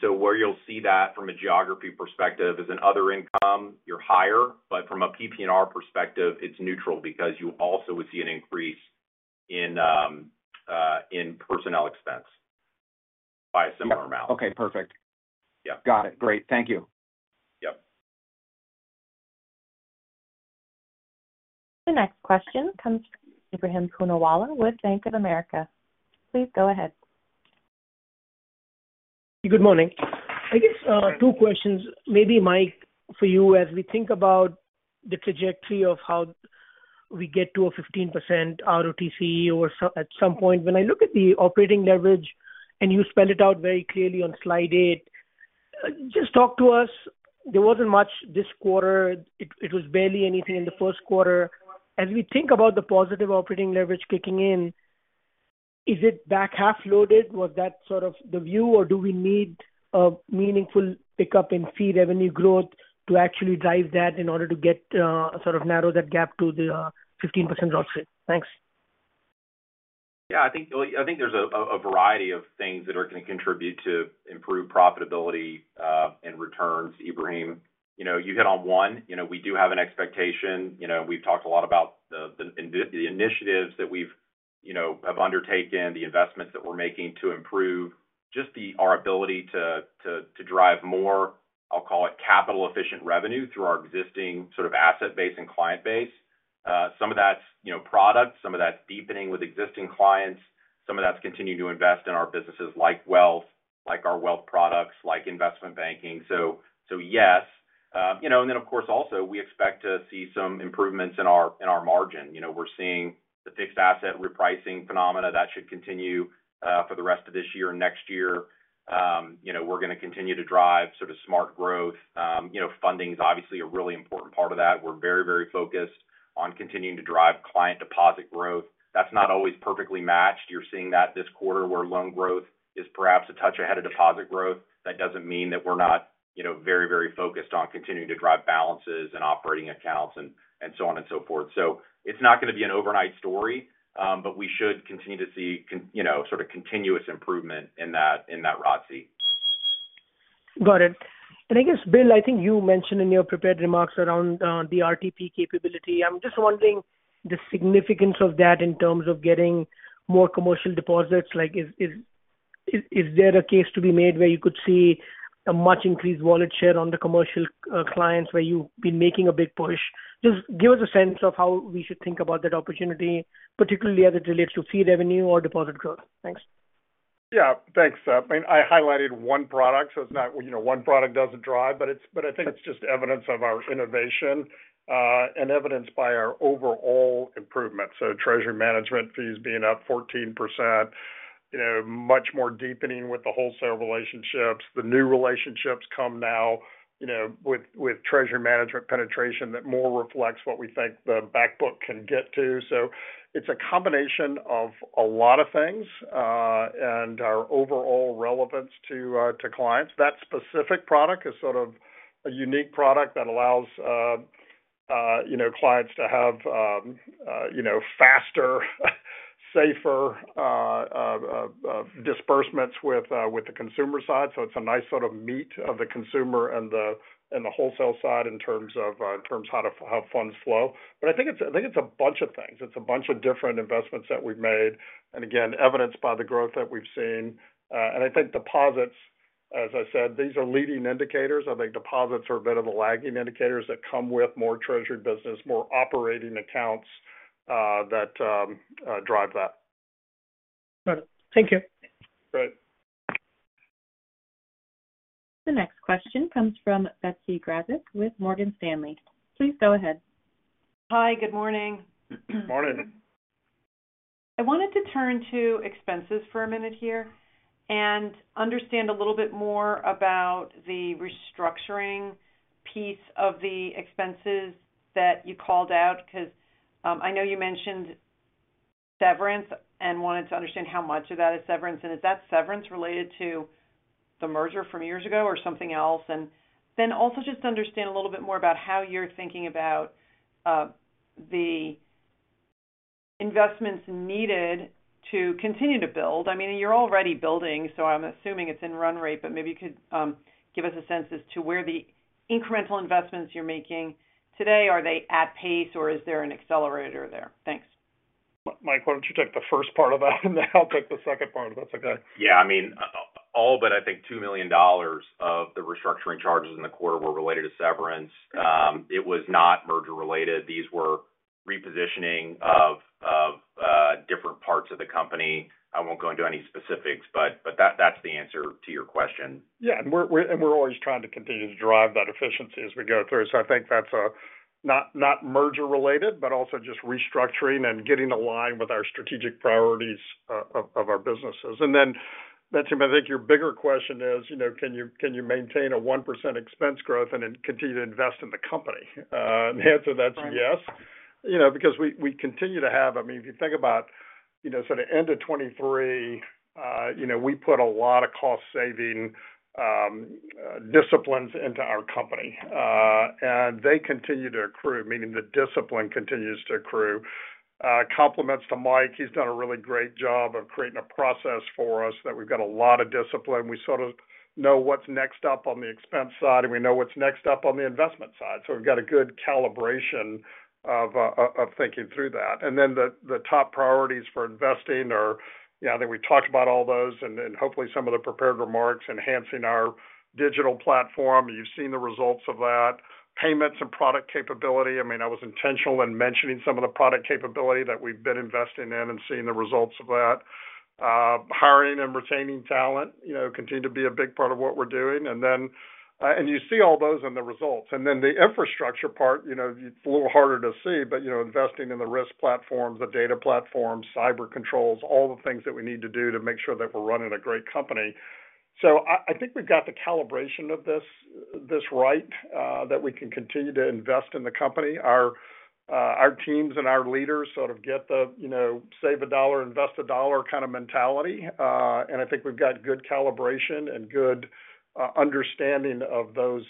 So where you'll see that from a geography perspective is in other income, you're higher. But from a PPNR perspective, it's neutral because you also would see an increase in personnel expense by a similar amount. Okay. Perfect. Got it. Great. Thank you. Yep. The next question comes from Abraham Poonawala with Bank of America. Please go ahead. Good morning. I guess two questions. Maybe, Mike, for you, as we think about the trajectory of how we get to a 15% ROTCE or at some point. When I look at the operating leverage, and you spelled it out very clearly on slide eight. Just talk to us. There wasn't much this quarter. It was barely anything in the first quarter. As we think about the positive operating leverage kicking in, is it back half loaded? Was that sort of the view, or do we need a meaningful pickup in fee revenue growth to actually drive that in order to sort of narrow that gap to the 15% ROTCE? Thanks. Yeah, I think there's a variety of things that are going to contribute to improved profitability and returns. Abraham, you hit on one. We do have an expectation. We've talked a lot about the initiatives that we've undertaken, the investments that we're making to improve just our ability to drive more, I'll call it capital-efficient revenue through our existing sort of asset base and client base. Some of that's product. Some of that's deepening with existing clients. Some of that's continuing to invest in our businesses like Wealth, like our Wealth products, like investment banking. So yes. And then, of course, also, we expect to see some improvements in our margin. We're seeing the fixed rate asset repricing phenomena that should continue for the rest of this year and next year. We're going to continue to drive sort of smart growth. Funding is obviously a really important part of that. We're very, very focused on continuing to drive client deposit growth. That's not always perfectly matched. You're seeing that this quarter where loan growth is perhaps a touch ahead of deposit growth. That doesn't mean that we're not very, very focused on continuing to drive balances and operating accounts and so on and so forth. So it's not going to be an overnight story, but we should continue to see sort of continuous improvement in that ROTCE. Got it. And I guess, Bill, I think you mentioned in your prepared remarks around the RTP capability. I'm just wondering the significance of that in terms of getting more commercial deposits. Is there a case to be made where you could see a much increased wallet share on the commercial clients where you've been making a big push? Just give us a sense of how we should think about that opportunity, particularly as it relates to fee revenue or deposit growth. Thanks. Yeah, thanks. I mean, I highlighted one product, so it's not one product doesn't drive, but I think it's just evidence of our innovation and evidenced by our overall improvement. So treasury management fees being up 14%. Much more deepening with the wholesale relationships. The new relationships come now with treasury management penetration that more reflects what we think the backbook can get to. So it's a combination of a lot of things and our overall relevance to clients. That specific product is sort of a unique product that allows clients to have faster, safer disbursements with the consumer side. So it's a nice sort of meet of the consumer and the wholesale side in terms of how funds flow. But I think it's a bunch of things. It's a bunch of different investments that we've made. And again, evidenced by the growth that we've seen. I think deposits, as I said, these are leading indicators. I think deposits are a bit of the lagging indicators that come with more treasury business, more operating accounts that drive that. Got it. Thank you. Great. The next question comes from Betsy Graseck with Morgan Stanley. Please go ahead. Hi. Good morning. Morning. I wanted to turn to expenses for a minute here and understand a little bit more about the restructuring piece of the expenses that you called out because I know you mentioned severance and wanted to understand how much of that is severance. Is that severance related to the merger from years ago or something else? Then also just to understand a little bit more about how you're thinking about the investments needed to continue to build. I mean, you're already building, so I'm assuming it's in run rate, but maybe you could give us a sense as to where the incremental investments you're making today. Are they at pace, or is there an accelerator there? Thanks. Mike, why don't you take the first part of that, and then I'll take the second part if that's okay. Yeah. I mean, all but I think $2 million of the restructuring charges in the quarter were related to severance. It was not merger related. These were repositioning of different parts of the company. I won't go into any specifics, but that's the answer to your question. Yeah. We're always trying to continue to drive that efficiency as we go through. So I think that's not merger related, but also just restructuring and getting aligned with our strategic priorities of our businesses. Then, Betsy, I think your bigger question is, can you maintain a 1% expense growth and then continue to invest in the company? The answer to that's yes. Because we continue to have—I mean, if you think about sort of end of 2023. We put a lot of cost-saving disciplines into our company. They continue to accrue, meaning the discipline continues to accrue. Compliments to Mike. He's done a really great job of creating a process for us that we've got a lot of discipline. We sort of know what's next up on the expense side, and we know what's next up on the investment side. So we've got a good calibration of thinking through that. Then the top priorities for investing are—I think we talked about all those, and hopefully some of the prepared remarks—enhancing our digital platform. You've seen the results of that. Payments and product capability. I mean, I was intentional in mentioning some of the product capability that we've been investing in and seeing the results of that. Hiring and retaining talent continues to be a big part of what we're doing. You see all those in the results. The infrastructure part, it's a little harder to see, but investing in the risk platforms, the data platforms, cyber controls, all the things that we need to do to make sure that we're running a great company. So I think we've got the calibration of this right that we can continue to invest in the company. Our teams and our leaders sort of get the save a dollar, invest a dollar kind of mentality. I think we've got good calibration and good understanding of those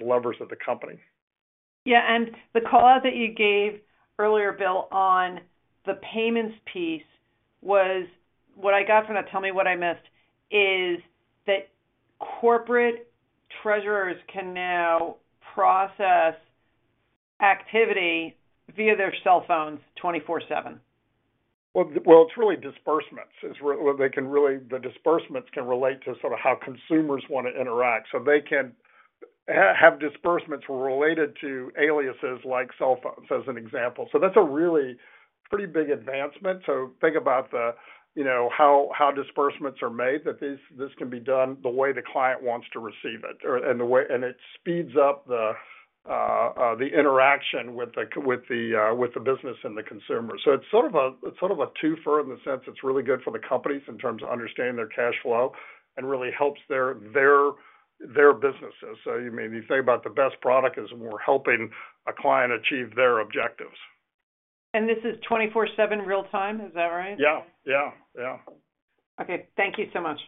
levers of the company. Yeah. The callout that you gave earlier, Bill, on the payments piece was—what I got from that, tell me what I missed—is that corporate treasurers can now process activity via their cell phones 24/7. Well, it's really disbursements. The disbursements can relate to sort of how consumers want to interact. So they can have disbursements related to aliases like cell phones, as an example. So that's a really pretty big advancement. So think about how disbursements are made, that this can be done the way the client wants to receive it. It speeds up the interaction with the business and the consumer. So it's sort of a twofer in the sense it's really good for the companies in terms of understanding their cash flow and really helps their businesses. So you think about the best product is we're helping a client achieve their objectives. This is 24/7 real-time, is that right? Yeah. Yeah. Yeah. Okay.Thank you so much.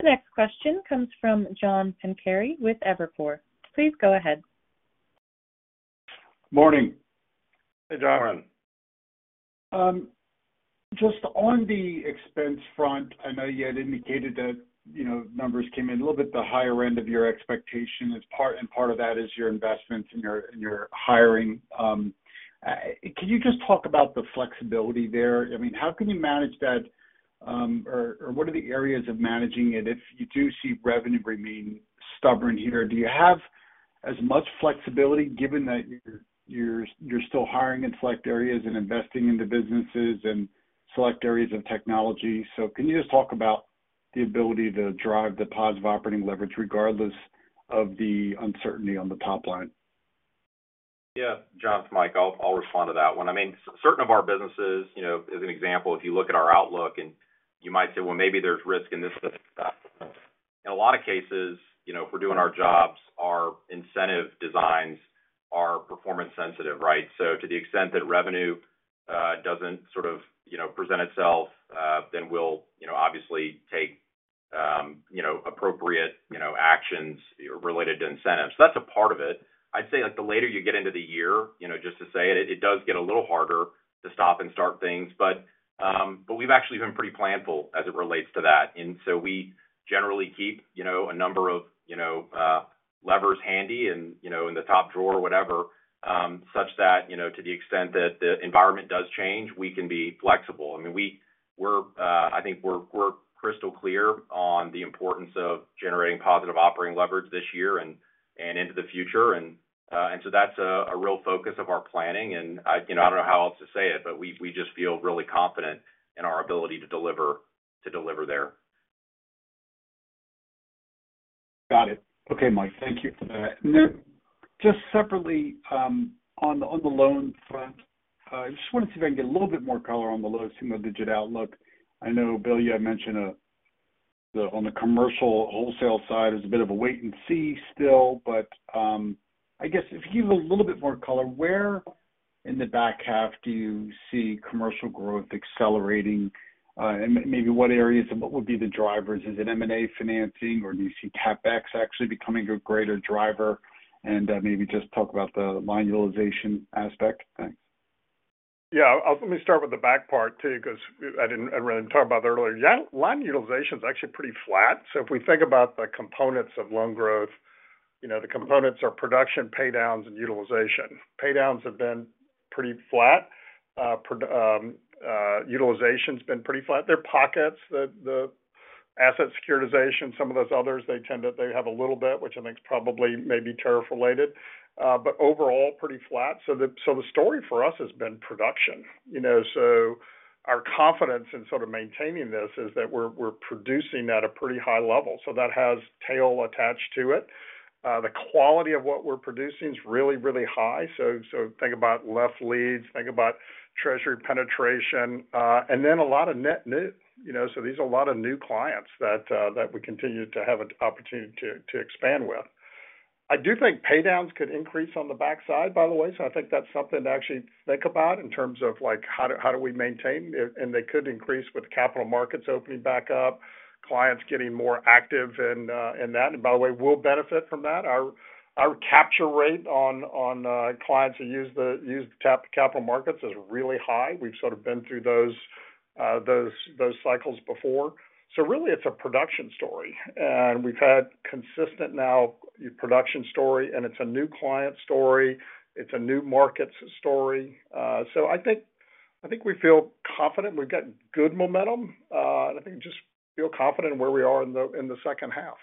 The next question comes from John Pancari with Evercore. Please go ahead. Morning. Hey, John. Morning. Just on the expense front, I know you had indicated that numbers came in a little bit the higher end of your expectation, and part of that is your investments and your hiring. Can you just talk about the flexibility there? I mean, how can you manage that or what are the areas of managing it if you do see revenue remain stubborn here? Do you have as much flexibility given that you're still hiring in select areas and investing in the businesses and select areas of technology? So can you just talk about the ability to drive the positive operating leverage regardless of the uncertainty on the top line? Yeah. John, Mike, I'll respond to that one. I mean, certain of our businesses, as an example, if you look at our outlook, you might say, "Well, maybe there's risk in this business." In a lot of cases, if we're doing our jobs, our incentive designs are performance-sensitive, right? So to the extent that revenue doesn't sort of present itself, then we'll obviously take appropriate actions related to incentives. So that's a part of it. I'd say the later you get into the year, just to say it, it does get a little harder to stop and start things. But we've actually been pretty planful as it relates to that. So we generally keep a number of. Levers handy in the top drawer, whatever, such that to the extent that the environment does change, we can be flexible. I mean, I think we're crystal clear on the importance of generating positive operating leverage this year and into the future. That is a real focus of our planning. I don't know how else to say it, but we just feel really confident in our ability to deliver. There. Got it. Okay, Mike, thank you for that. Just separately, on the loan front, I just wanted to see if I can get a little bit more color on the low single-digit outlook. I know, Bill, you had mentioned on the commercial wholesale side, it's a bit of a wait-and-see still. I guess if you give a little bit more color, where in the back half do you see commercial growth accelerating? Maybe what areas or what would be the drivers? Is it M&A financing, or do you see CapEx actually becoming a greater driver? Maybe just talk about the line utilization aspect. Thanks. Yeah. Let me start with the back part too because I didn't really talk about that earlier. Line utilization is actually pretty flat. If we think about the components of loan growth, the components are production, paydowns, and utilization. Paydowns have been pretty flat. Utilization has been pretty flat. There are pockets, the asset securitization, some of those others, they have a little bit, which I think is probably maybe tariff-related. Overall, pretty flat. The story for us has been production. Our confidence in sort of maintaining this is that we're producing at a pretty high level. That has tail attached to it. The quality of what we're producing is really, really high. Think about left leads, think about treasury penetration, and then a lot of net new. These are a lot of new clients that we continue to have an opportunity to expand with. I do think paydowns could increase on the backside, by the way. That is something to actually think about in terms of how do we maintain. They could increase with capital markets opening back up, clients getting more active in that. By the way, we'll benefit from that. Our capture rate on clients that use the capital markets is really high. We've sort of been through those cycles before. Really, it's a production story. We've had consistent now production story, and it's a new client story. It's a new markets story. I think we feel confident. We've got good momentum. I think we just feel confident in where we are in the second half.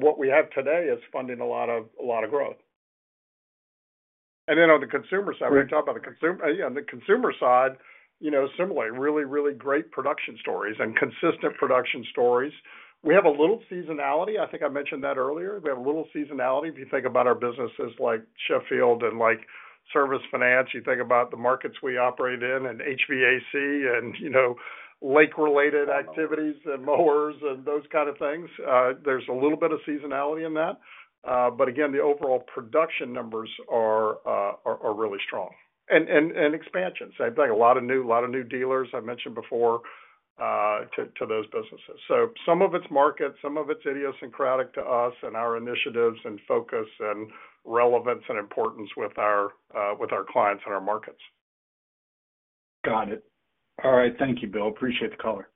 What we have today is funding a lot of growth. On the consumer side, we talk about the consumer. Yeah, on the consumer side, similarly, really, really great production stories and consistent production stories. We have a little seasonality. I think I mentioned that earlier. We have a little seasonality. If you think about our businesses like Sheffield Financial and Service Finance, you think about the markets we operate in and HVAC and lake-related activities and mowers and those kind of things. There's a little bit of seasonality in that. Again, the overall production numbers are really strong. And expansion. So I think a lot of new dealers, I mentioned before. To those businesses. So some of it's market, some of it's idiosyncratic to us and our initiatives and focus and relevance and importance with our clients and our markets. Got it. All right. Thank you, Bill. Appreciate the color.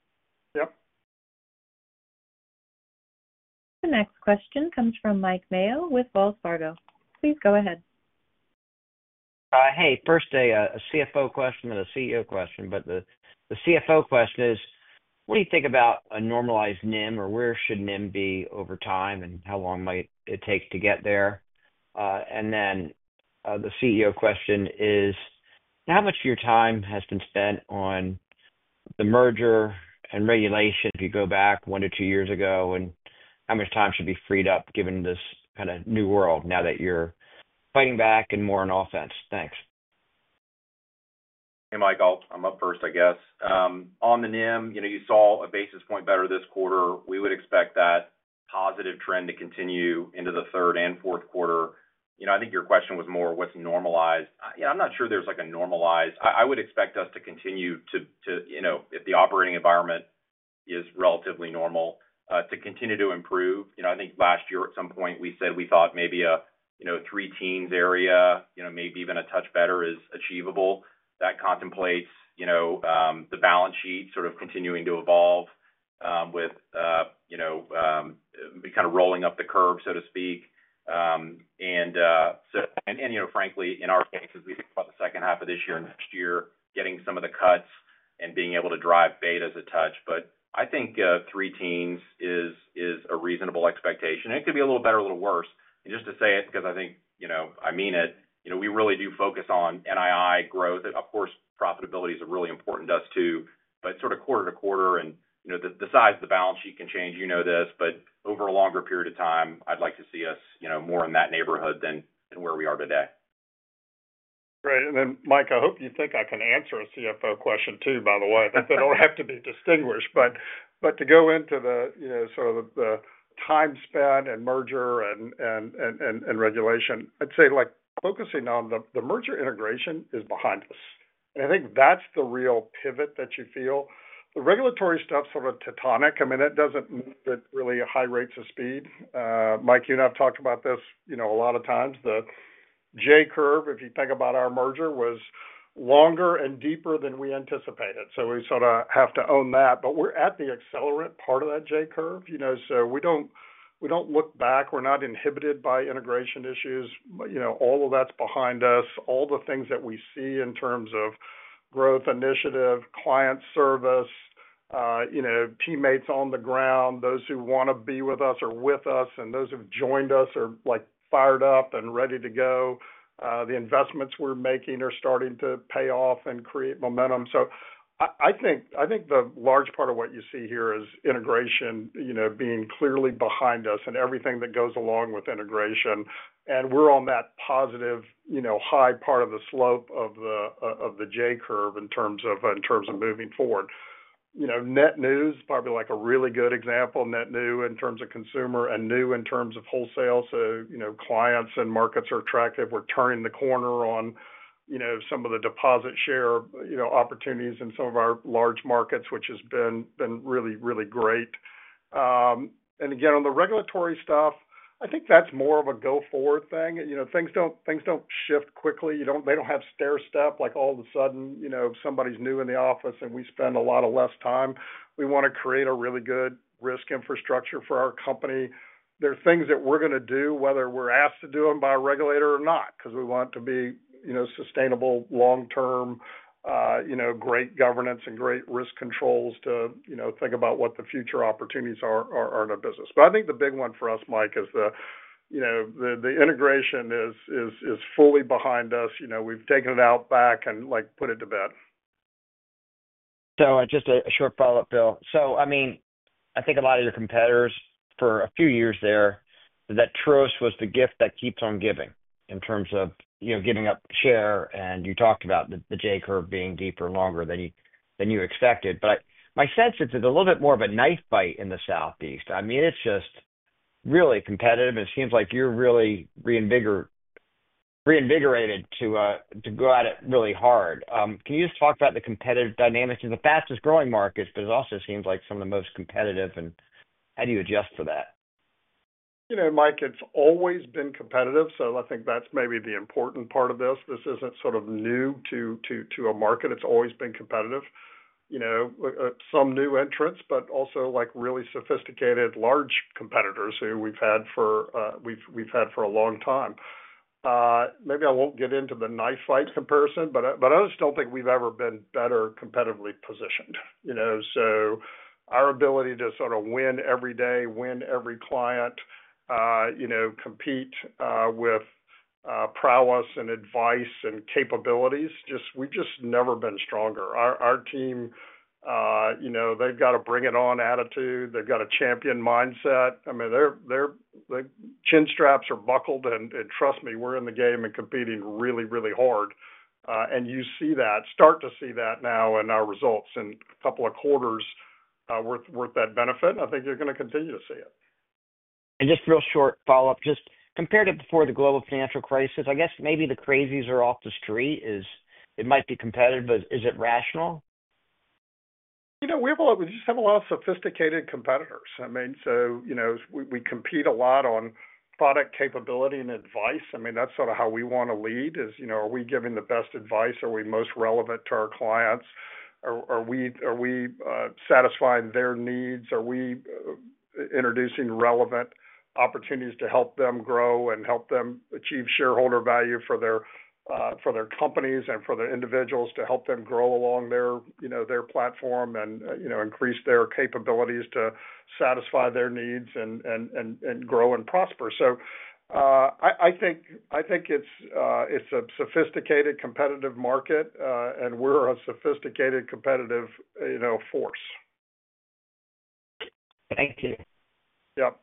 Yep. The next question comes from Mike Mayo with Wells Fargo. Please go ahead. Hey, first, a CFO question and a CEO question. The CFO question is, what do you think about a normalized NIM, or where should NIM be over time, and how long might it take to get there? Then the CEO question is. How much of your time has been spent on the merger and regulation if you go back one to two years ago, and how much time should be freed up given this kind of new world now that you're fighting back and more in offense? Thanks. Hey, Mike, I'm up first, I guess. On the NIM, you saw a basis point better this quarter. We would expect that positive trend to continue into the third and fourth quarter. I think your question was more, what's normalized? Yeah, I'm not sure there's a normalized. I would expect us to continue to. If the operating environment is relatively normal, to continue to improve. I think last year, at some point, we said we thought maybe a three teens area, maybe even a touch better, is achievable. That contemplates the balance sheet sort of continuing to evolve with kind of rolling up the curve, so to speak. Frankly, in our case, as we think about the second half of this year and next year, getting some of the cuts and being able to drive beta as a touch. I think three teens is a reasonable expectation. It could be a little better, a little worse. Just to say it because I think I mean it, we really do focus on NII growth. Of course, profitability is a really important to us too, but sort of quarter to quarter. The size of the balance sheet can change, you know this, but over a longer period of time, I'd like to see us more in that neighborhood than where we are today. Right.Then, Mike, I hope you think I can answer a CFO question too, by the way. I think they don't have to be distinguished. To go into the sort of the time span and merger and regulation, I'd say focusing on the merger integration is behind us. I think that's the real pivot that you feel. The regulatory stuff's sort of tectonic. I mean, it doesn't move at really high rates of speed. Mike, you and I have talked about this a lot of times. The J curve, if you think about our merger, was longer and deeper than we anticipated. So we sort of have to own that. We're at the accelerant part of that J curve. So we don't look back. We're not inhibited by integration issues. All of that's behind us. All the things that we see in terms of growth initiative, client service. Teammates on the ground, those who want to be with us or with us, and those who have joined us are fired up and ready to go. The investments we're making are starting to pay off and create momentum. So I think the large part of what you see here is integration being clearly behind us and everything that goes along with integration. We're on that positive, high part of the slope of the J curve in terms of moving forward. Net new, probably a really good example, net new in terms of consumer and new in terms of wholesale. So clients and markets are attractive. We're turning the corner on some of the deposit share opportunities in some of our large markets, which has been really, really great. Again, on the regulatory stuff, I think that's more of a go-forward thing. Things don't shift quickly. They don't have stair step. All of a sudden, somebody's new in the office, and we spend a lot of less time. We want to create a really good risk infrastructure for our company. There are things that we're going to do, whether we're asked to do them by a regulator or not, because we want to be sustainable, long-term. Great governance and great risk controls to think about what the future opportunities are in our business. I think the big one for us, Mike, is the integration is fully behind us. We've taken it out back and put it to bed. So just a short follow-up, Bill. So I mean, I think a lot of your competitors for a few years there, that Truist was the gift that keeps on giving in terms of giving up share. You talked about the J curve being deeper and longer than you expected. My sense is it's a little bit more of a knife fight in the Southeast. I mean, it's just really competitive. It seems like you're really reinvigorated to go at it really hard. Can you just talk about the competitive dynamics? It's the fastest-growing market, but it also seems like some of the most competitive. How do you adjust for that? Mike, it's always been competitive. So I think that's maybe the important part of this. This isn't sort of new to a market. It's always been competitive. Some new entrants, but also really sophisticated large competitors who we've had for a long time. Maybe I won't get into the knife fight comparison, but I just don't think we've ever been better competitively positioned. So our ability to sort of win every day, win every client. Compete with prowess and advice and capabilities, we've just never been stronger. Our team, they've got a bring-it-on attitude. They've got a champion mindset. I mean chinstraps are buckled. Trust me, we're in the game and competing really, really hard. You see that, start to see that now in our results in a couple of quarters worth that benefit. I think you're going to continue to see it. Just real short follow-up. Just compared to before the global financial crisis, I guess maybe the crazies are off the street. It might be competitive, but is it rational? We just have a lot of sophisticated competitors. I mean, so we compete a lot on product capability and advice. I mean, that's sort of how we want to lead. Are we giving the best advice? Are we most relevant to our clients? Are we satisfying their needs? Are we introducing relevant opportunities to help them grow and help them achieve shareholder value for their companies and for the individuals to help them grow along their platform and increase their capabilities to satisfy their needs and grow and prosper? So I think it's a sophisticated competitive market, and we're a sophisticated competitive force. Thank you. Yep.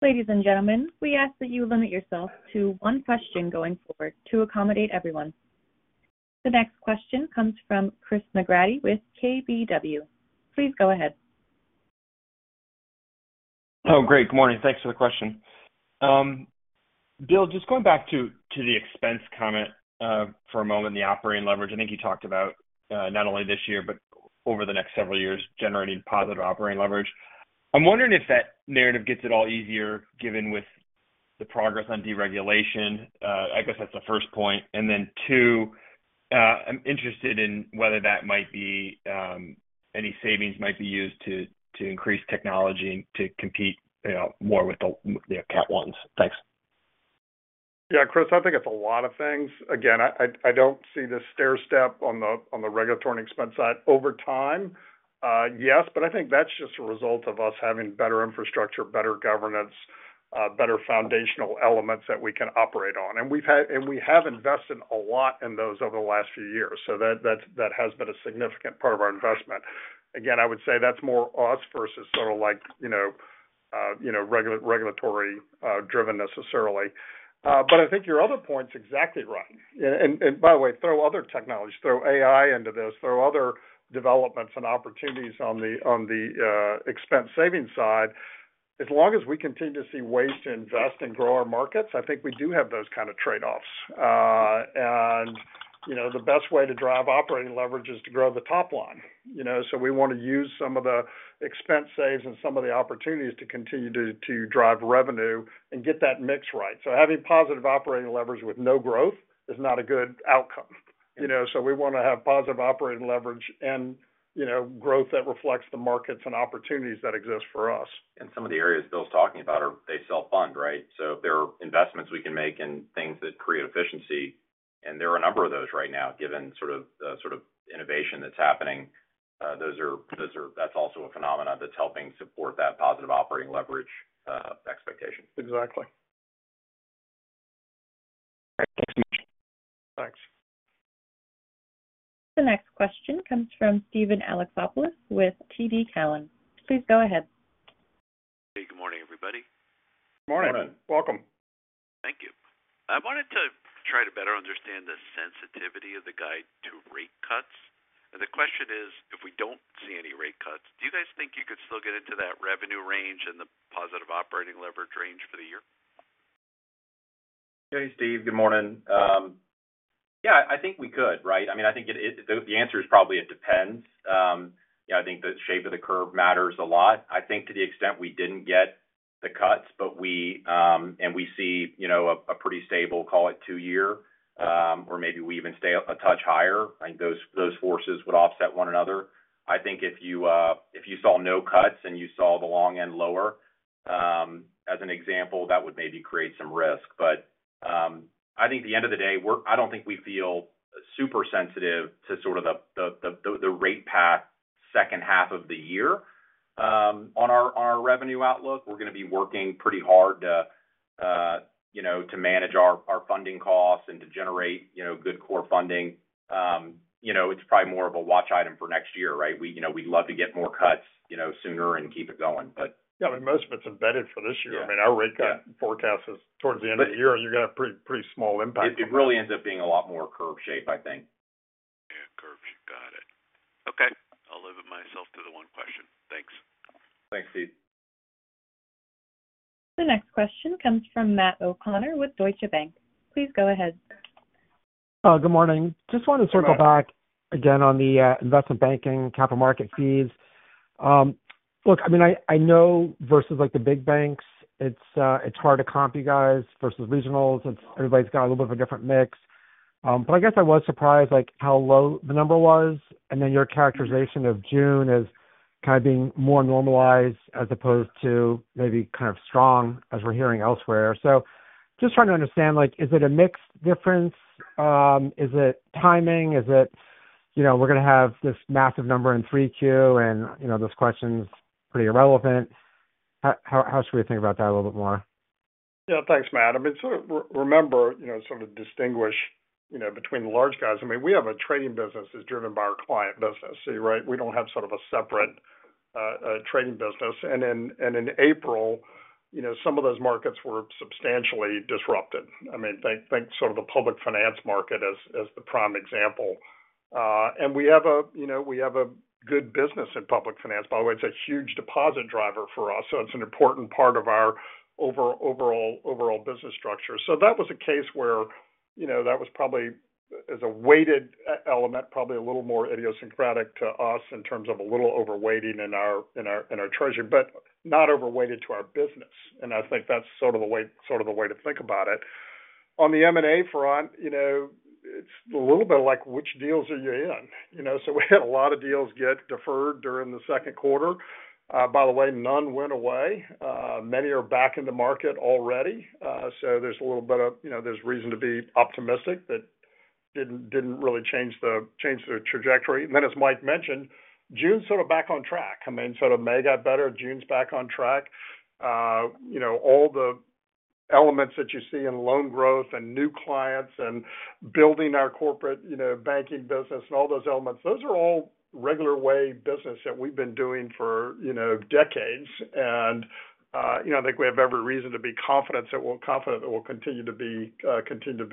Ladies and gentlemen, we ask that you limit yourself to one question going forward to accommodate everyone. The next question comes from Chris Marinetti with KBW. Please go ahead. Oh, great. Good morning. Thanks for the question. Bill, just going back to the expense comment for a moment in the operating leverage, I think you talked about not only this year but over the next several years generating positive operating leverage. I'm wondering if that narrative gets at all easier given with the progress on deregulation. I guess that's the first point. Then two, I'm interested in whether that might be. Any savings might be used to increase technology to compete more with the Capital Ones. Thanks. Yeah, Chris, I think it's a lot of things. Again, I don't see the stair step on the regulatory and expense side. Over time, yes, but I think that's just a result of us having better infrastructure, better governance, better foundational elements that we can operate on. We have invested a lot in those over the last few years. So that has been a significant part of our investment. Again, I would say that's more us versus sort of regulatory-driven necessarily. But I think your other point's exactly right. By the way, throw other technologies, throw AI into this, throw other developments and opportunities on the expense savings side. As long as we continue to see ways to invest and grow our markets, I think we do have those kind of trade-offs. The best way to drive operating leverage is to grow the top line. So we want to use some of the expense saves and some of the opportunities to continue to drive revenue and get that mix right. So having positive operating leverage with no growth is not a good outcome. So we want to have positive operating leverage and growth that reflects the markets and opportunities that exist for us. Some of the areas Bill's talking about are they self-fund, right? So there are investments we can make and things that create efficiency. There are a number of those right now, given the innovation that's happening. That's also a phenomenon that's helping support that positive operating leverage expectation. Exactly. Thanks. The next question comes from Steven Alexopoulos with TD Cowen. Please go ahead. Hey, good morning, everybody. Good morning. Welcome. Thank you. I wanted to try to better understand the sensitivity of the guide to rate cuts. The question is, if we don't see any rate cuts, do you guys think you could still get into that revenue range and the positive operating leverage range for the year? Hey, Steve. Good morning. Yeah, I think we could, right? I mean, I think the answer is probably it depends. I think the shape of the curve matters a lot. I think to the extent we didn't get the cuts, and we see a pretty stable, call it two-year, or maybe we even stay a touch higher, I think those forces would offset one another. I think if you saw no cuts and you saw the long end lower, as an example, that would maybe create some risk. But I think at the end of the day, I don't think we feel super sensitive to the rate path second half of the year. On our revenue outlook, we're going to be working pretty hard to manage our funding costs and to generate good core funding. It's probably more of a watch item for next year, right? We'd love to get more cuts sooner and keep it going, but. Yeah, I mean, most of it's embedded for this year. I mean, our rate cut forecast is towards the end of the year, and you're going to have pretty small impact. It really ends up being a lot more curve shape, I think. Yeah, curve shape. Got it. Okay. I'll limit myself to the one question. Thanks. Thanks, Steve. The next question comes from Matt O'Connor with Deutsche Bank. Please go ahead. Good morning. Just wanted to circle back again on the investment banking, capital market fees. Look, I mean, I know versus the big banks, it's hard to comp you guys versus regionals. Everybody's got a little bit of a different mix. I guess I was surprised how low the number was. Your characterization of June is kind of being more normalized as opposed to maybe kind of strong, as we're hearing elsewhere. So just trying to understand, is it a mixed difference? Is it timing? Is it we're going to have this massive number in three Q and those questions pretty irrelevant? How should we think about that a little bit more? Yeah, thanks, Matt. I mean, sort of remember, sort of distinguish between the large guys. I mean, we have a trading business that's driven by our client business, right? We don't have sort of a separate trading business. In April some of those markets were substantially disrupted. I mean, think sort of the Public Finance market as the prime example. We have a good business in Public Finance. By the way, it's a huge deposit driver for us. So it's an important part of our overall business structure. So that was a case where that was probably as a weighted element, probably a little more idiosyncratic to us in terms of a little overweighting in our treasury, but not overweighted to our business. I think that's sort of the way to think about it. On the M&A front it's a little bit like which deals are you in? So we had a lot of deals get deferred during the second quarter. By the way, none went away. Many are back in the market already. So there's a little bit of there's reason to be optimistic that didn't really change the trajectory. As Mike mentioned, June's sort of back on track. I mean, sort of May got better. June's back on track. All the elements that you see in loan growth and new clients and building our corporate banking business and all those elements, those are all regular way business that we've been doing for decades. I think we have every reason to be confident that we'll continue to be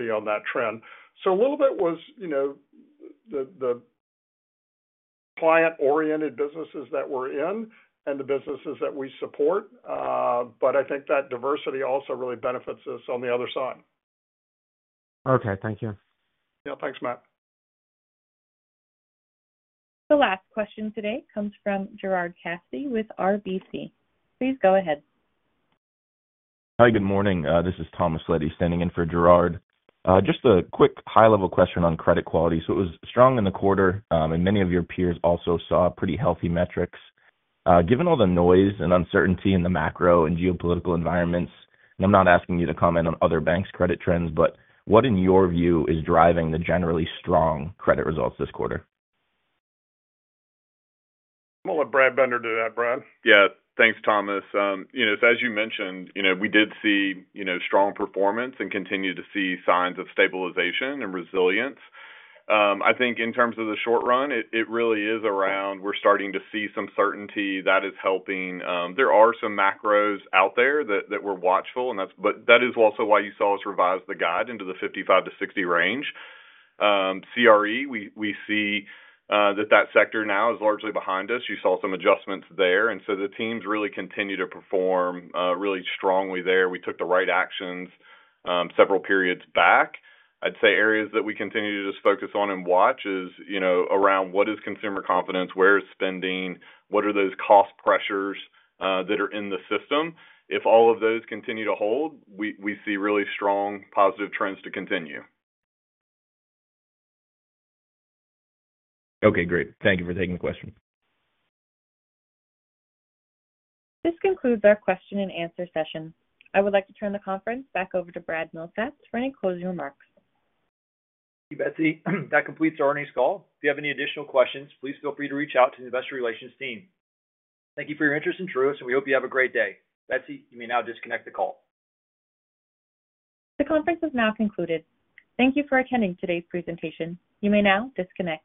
on that trend. So a little bit was the client-oriented businesses that we're in and the businesses that we support. But I think that diversity also really benefits us on the other side. Okay. Thank you. Yeah. Thanks, Matt. The last question today comes from Gerard Cassidy with RBC. Please go ahead. Hi. Good morning. This is Thomas Liddy standing in for Gerard. Just a quick high-level question on credit quality. So it was strong in the quarter, and many of your peers also saw pretty healthy metrics. Given all the noise and uncertainty in the macro and geopolitical environments, and I'm not asking you to comment on other banks' credit trends, but what, in your view, is driving the generally strong credit results this quarter? I'm going to let Brad Bender do that, Brad. Yeah. Thanks, Thomas. As you mentioned, we did see strong performance and continue to see signs of stabilization and resilience. I think in terms of the short run, it really is around we're starting to see some certainty that is helping. There are some macros out there that we're watchful. That is also why you saw us revise the guide into the 55%-60% range. CRE, we see that that sector now is largely behind us. You saw some adjustments there. So the teams really continue to perform really strongly there. We took the right actions several periods back. I'd say areas that we continue to just focus on and watch is around what is consumer confidence, where is spending, what are those cost pressures that are in the system? If all of those continue to hold, we see really strong positive trends to continue. Great. Thank you for taking the question. This concludes our question-and-answer session. I would like to turn the conference back over to Brad Milsaps for any closing remarks. Thank you, Betsy. That completes our earnings call. If you have any additional questions, please feel free to reach out to the investor relations team. Thank you for your interest in Truist, and we hope you have a great day. Betsy, you may now disconnect the call. The conference is now concluded. Thank you for attending today's presentation. You may now disconnect.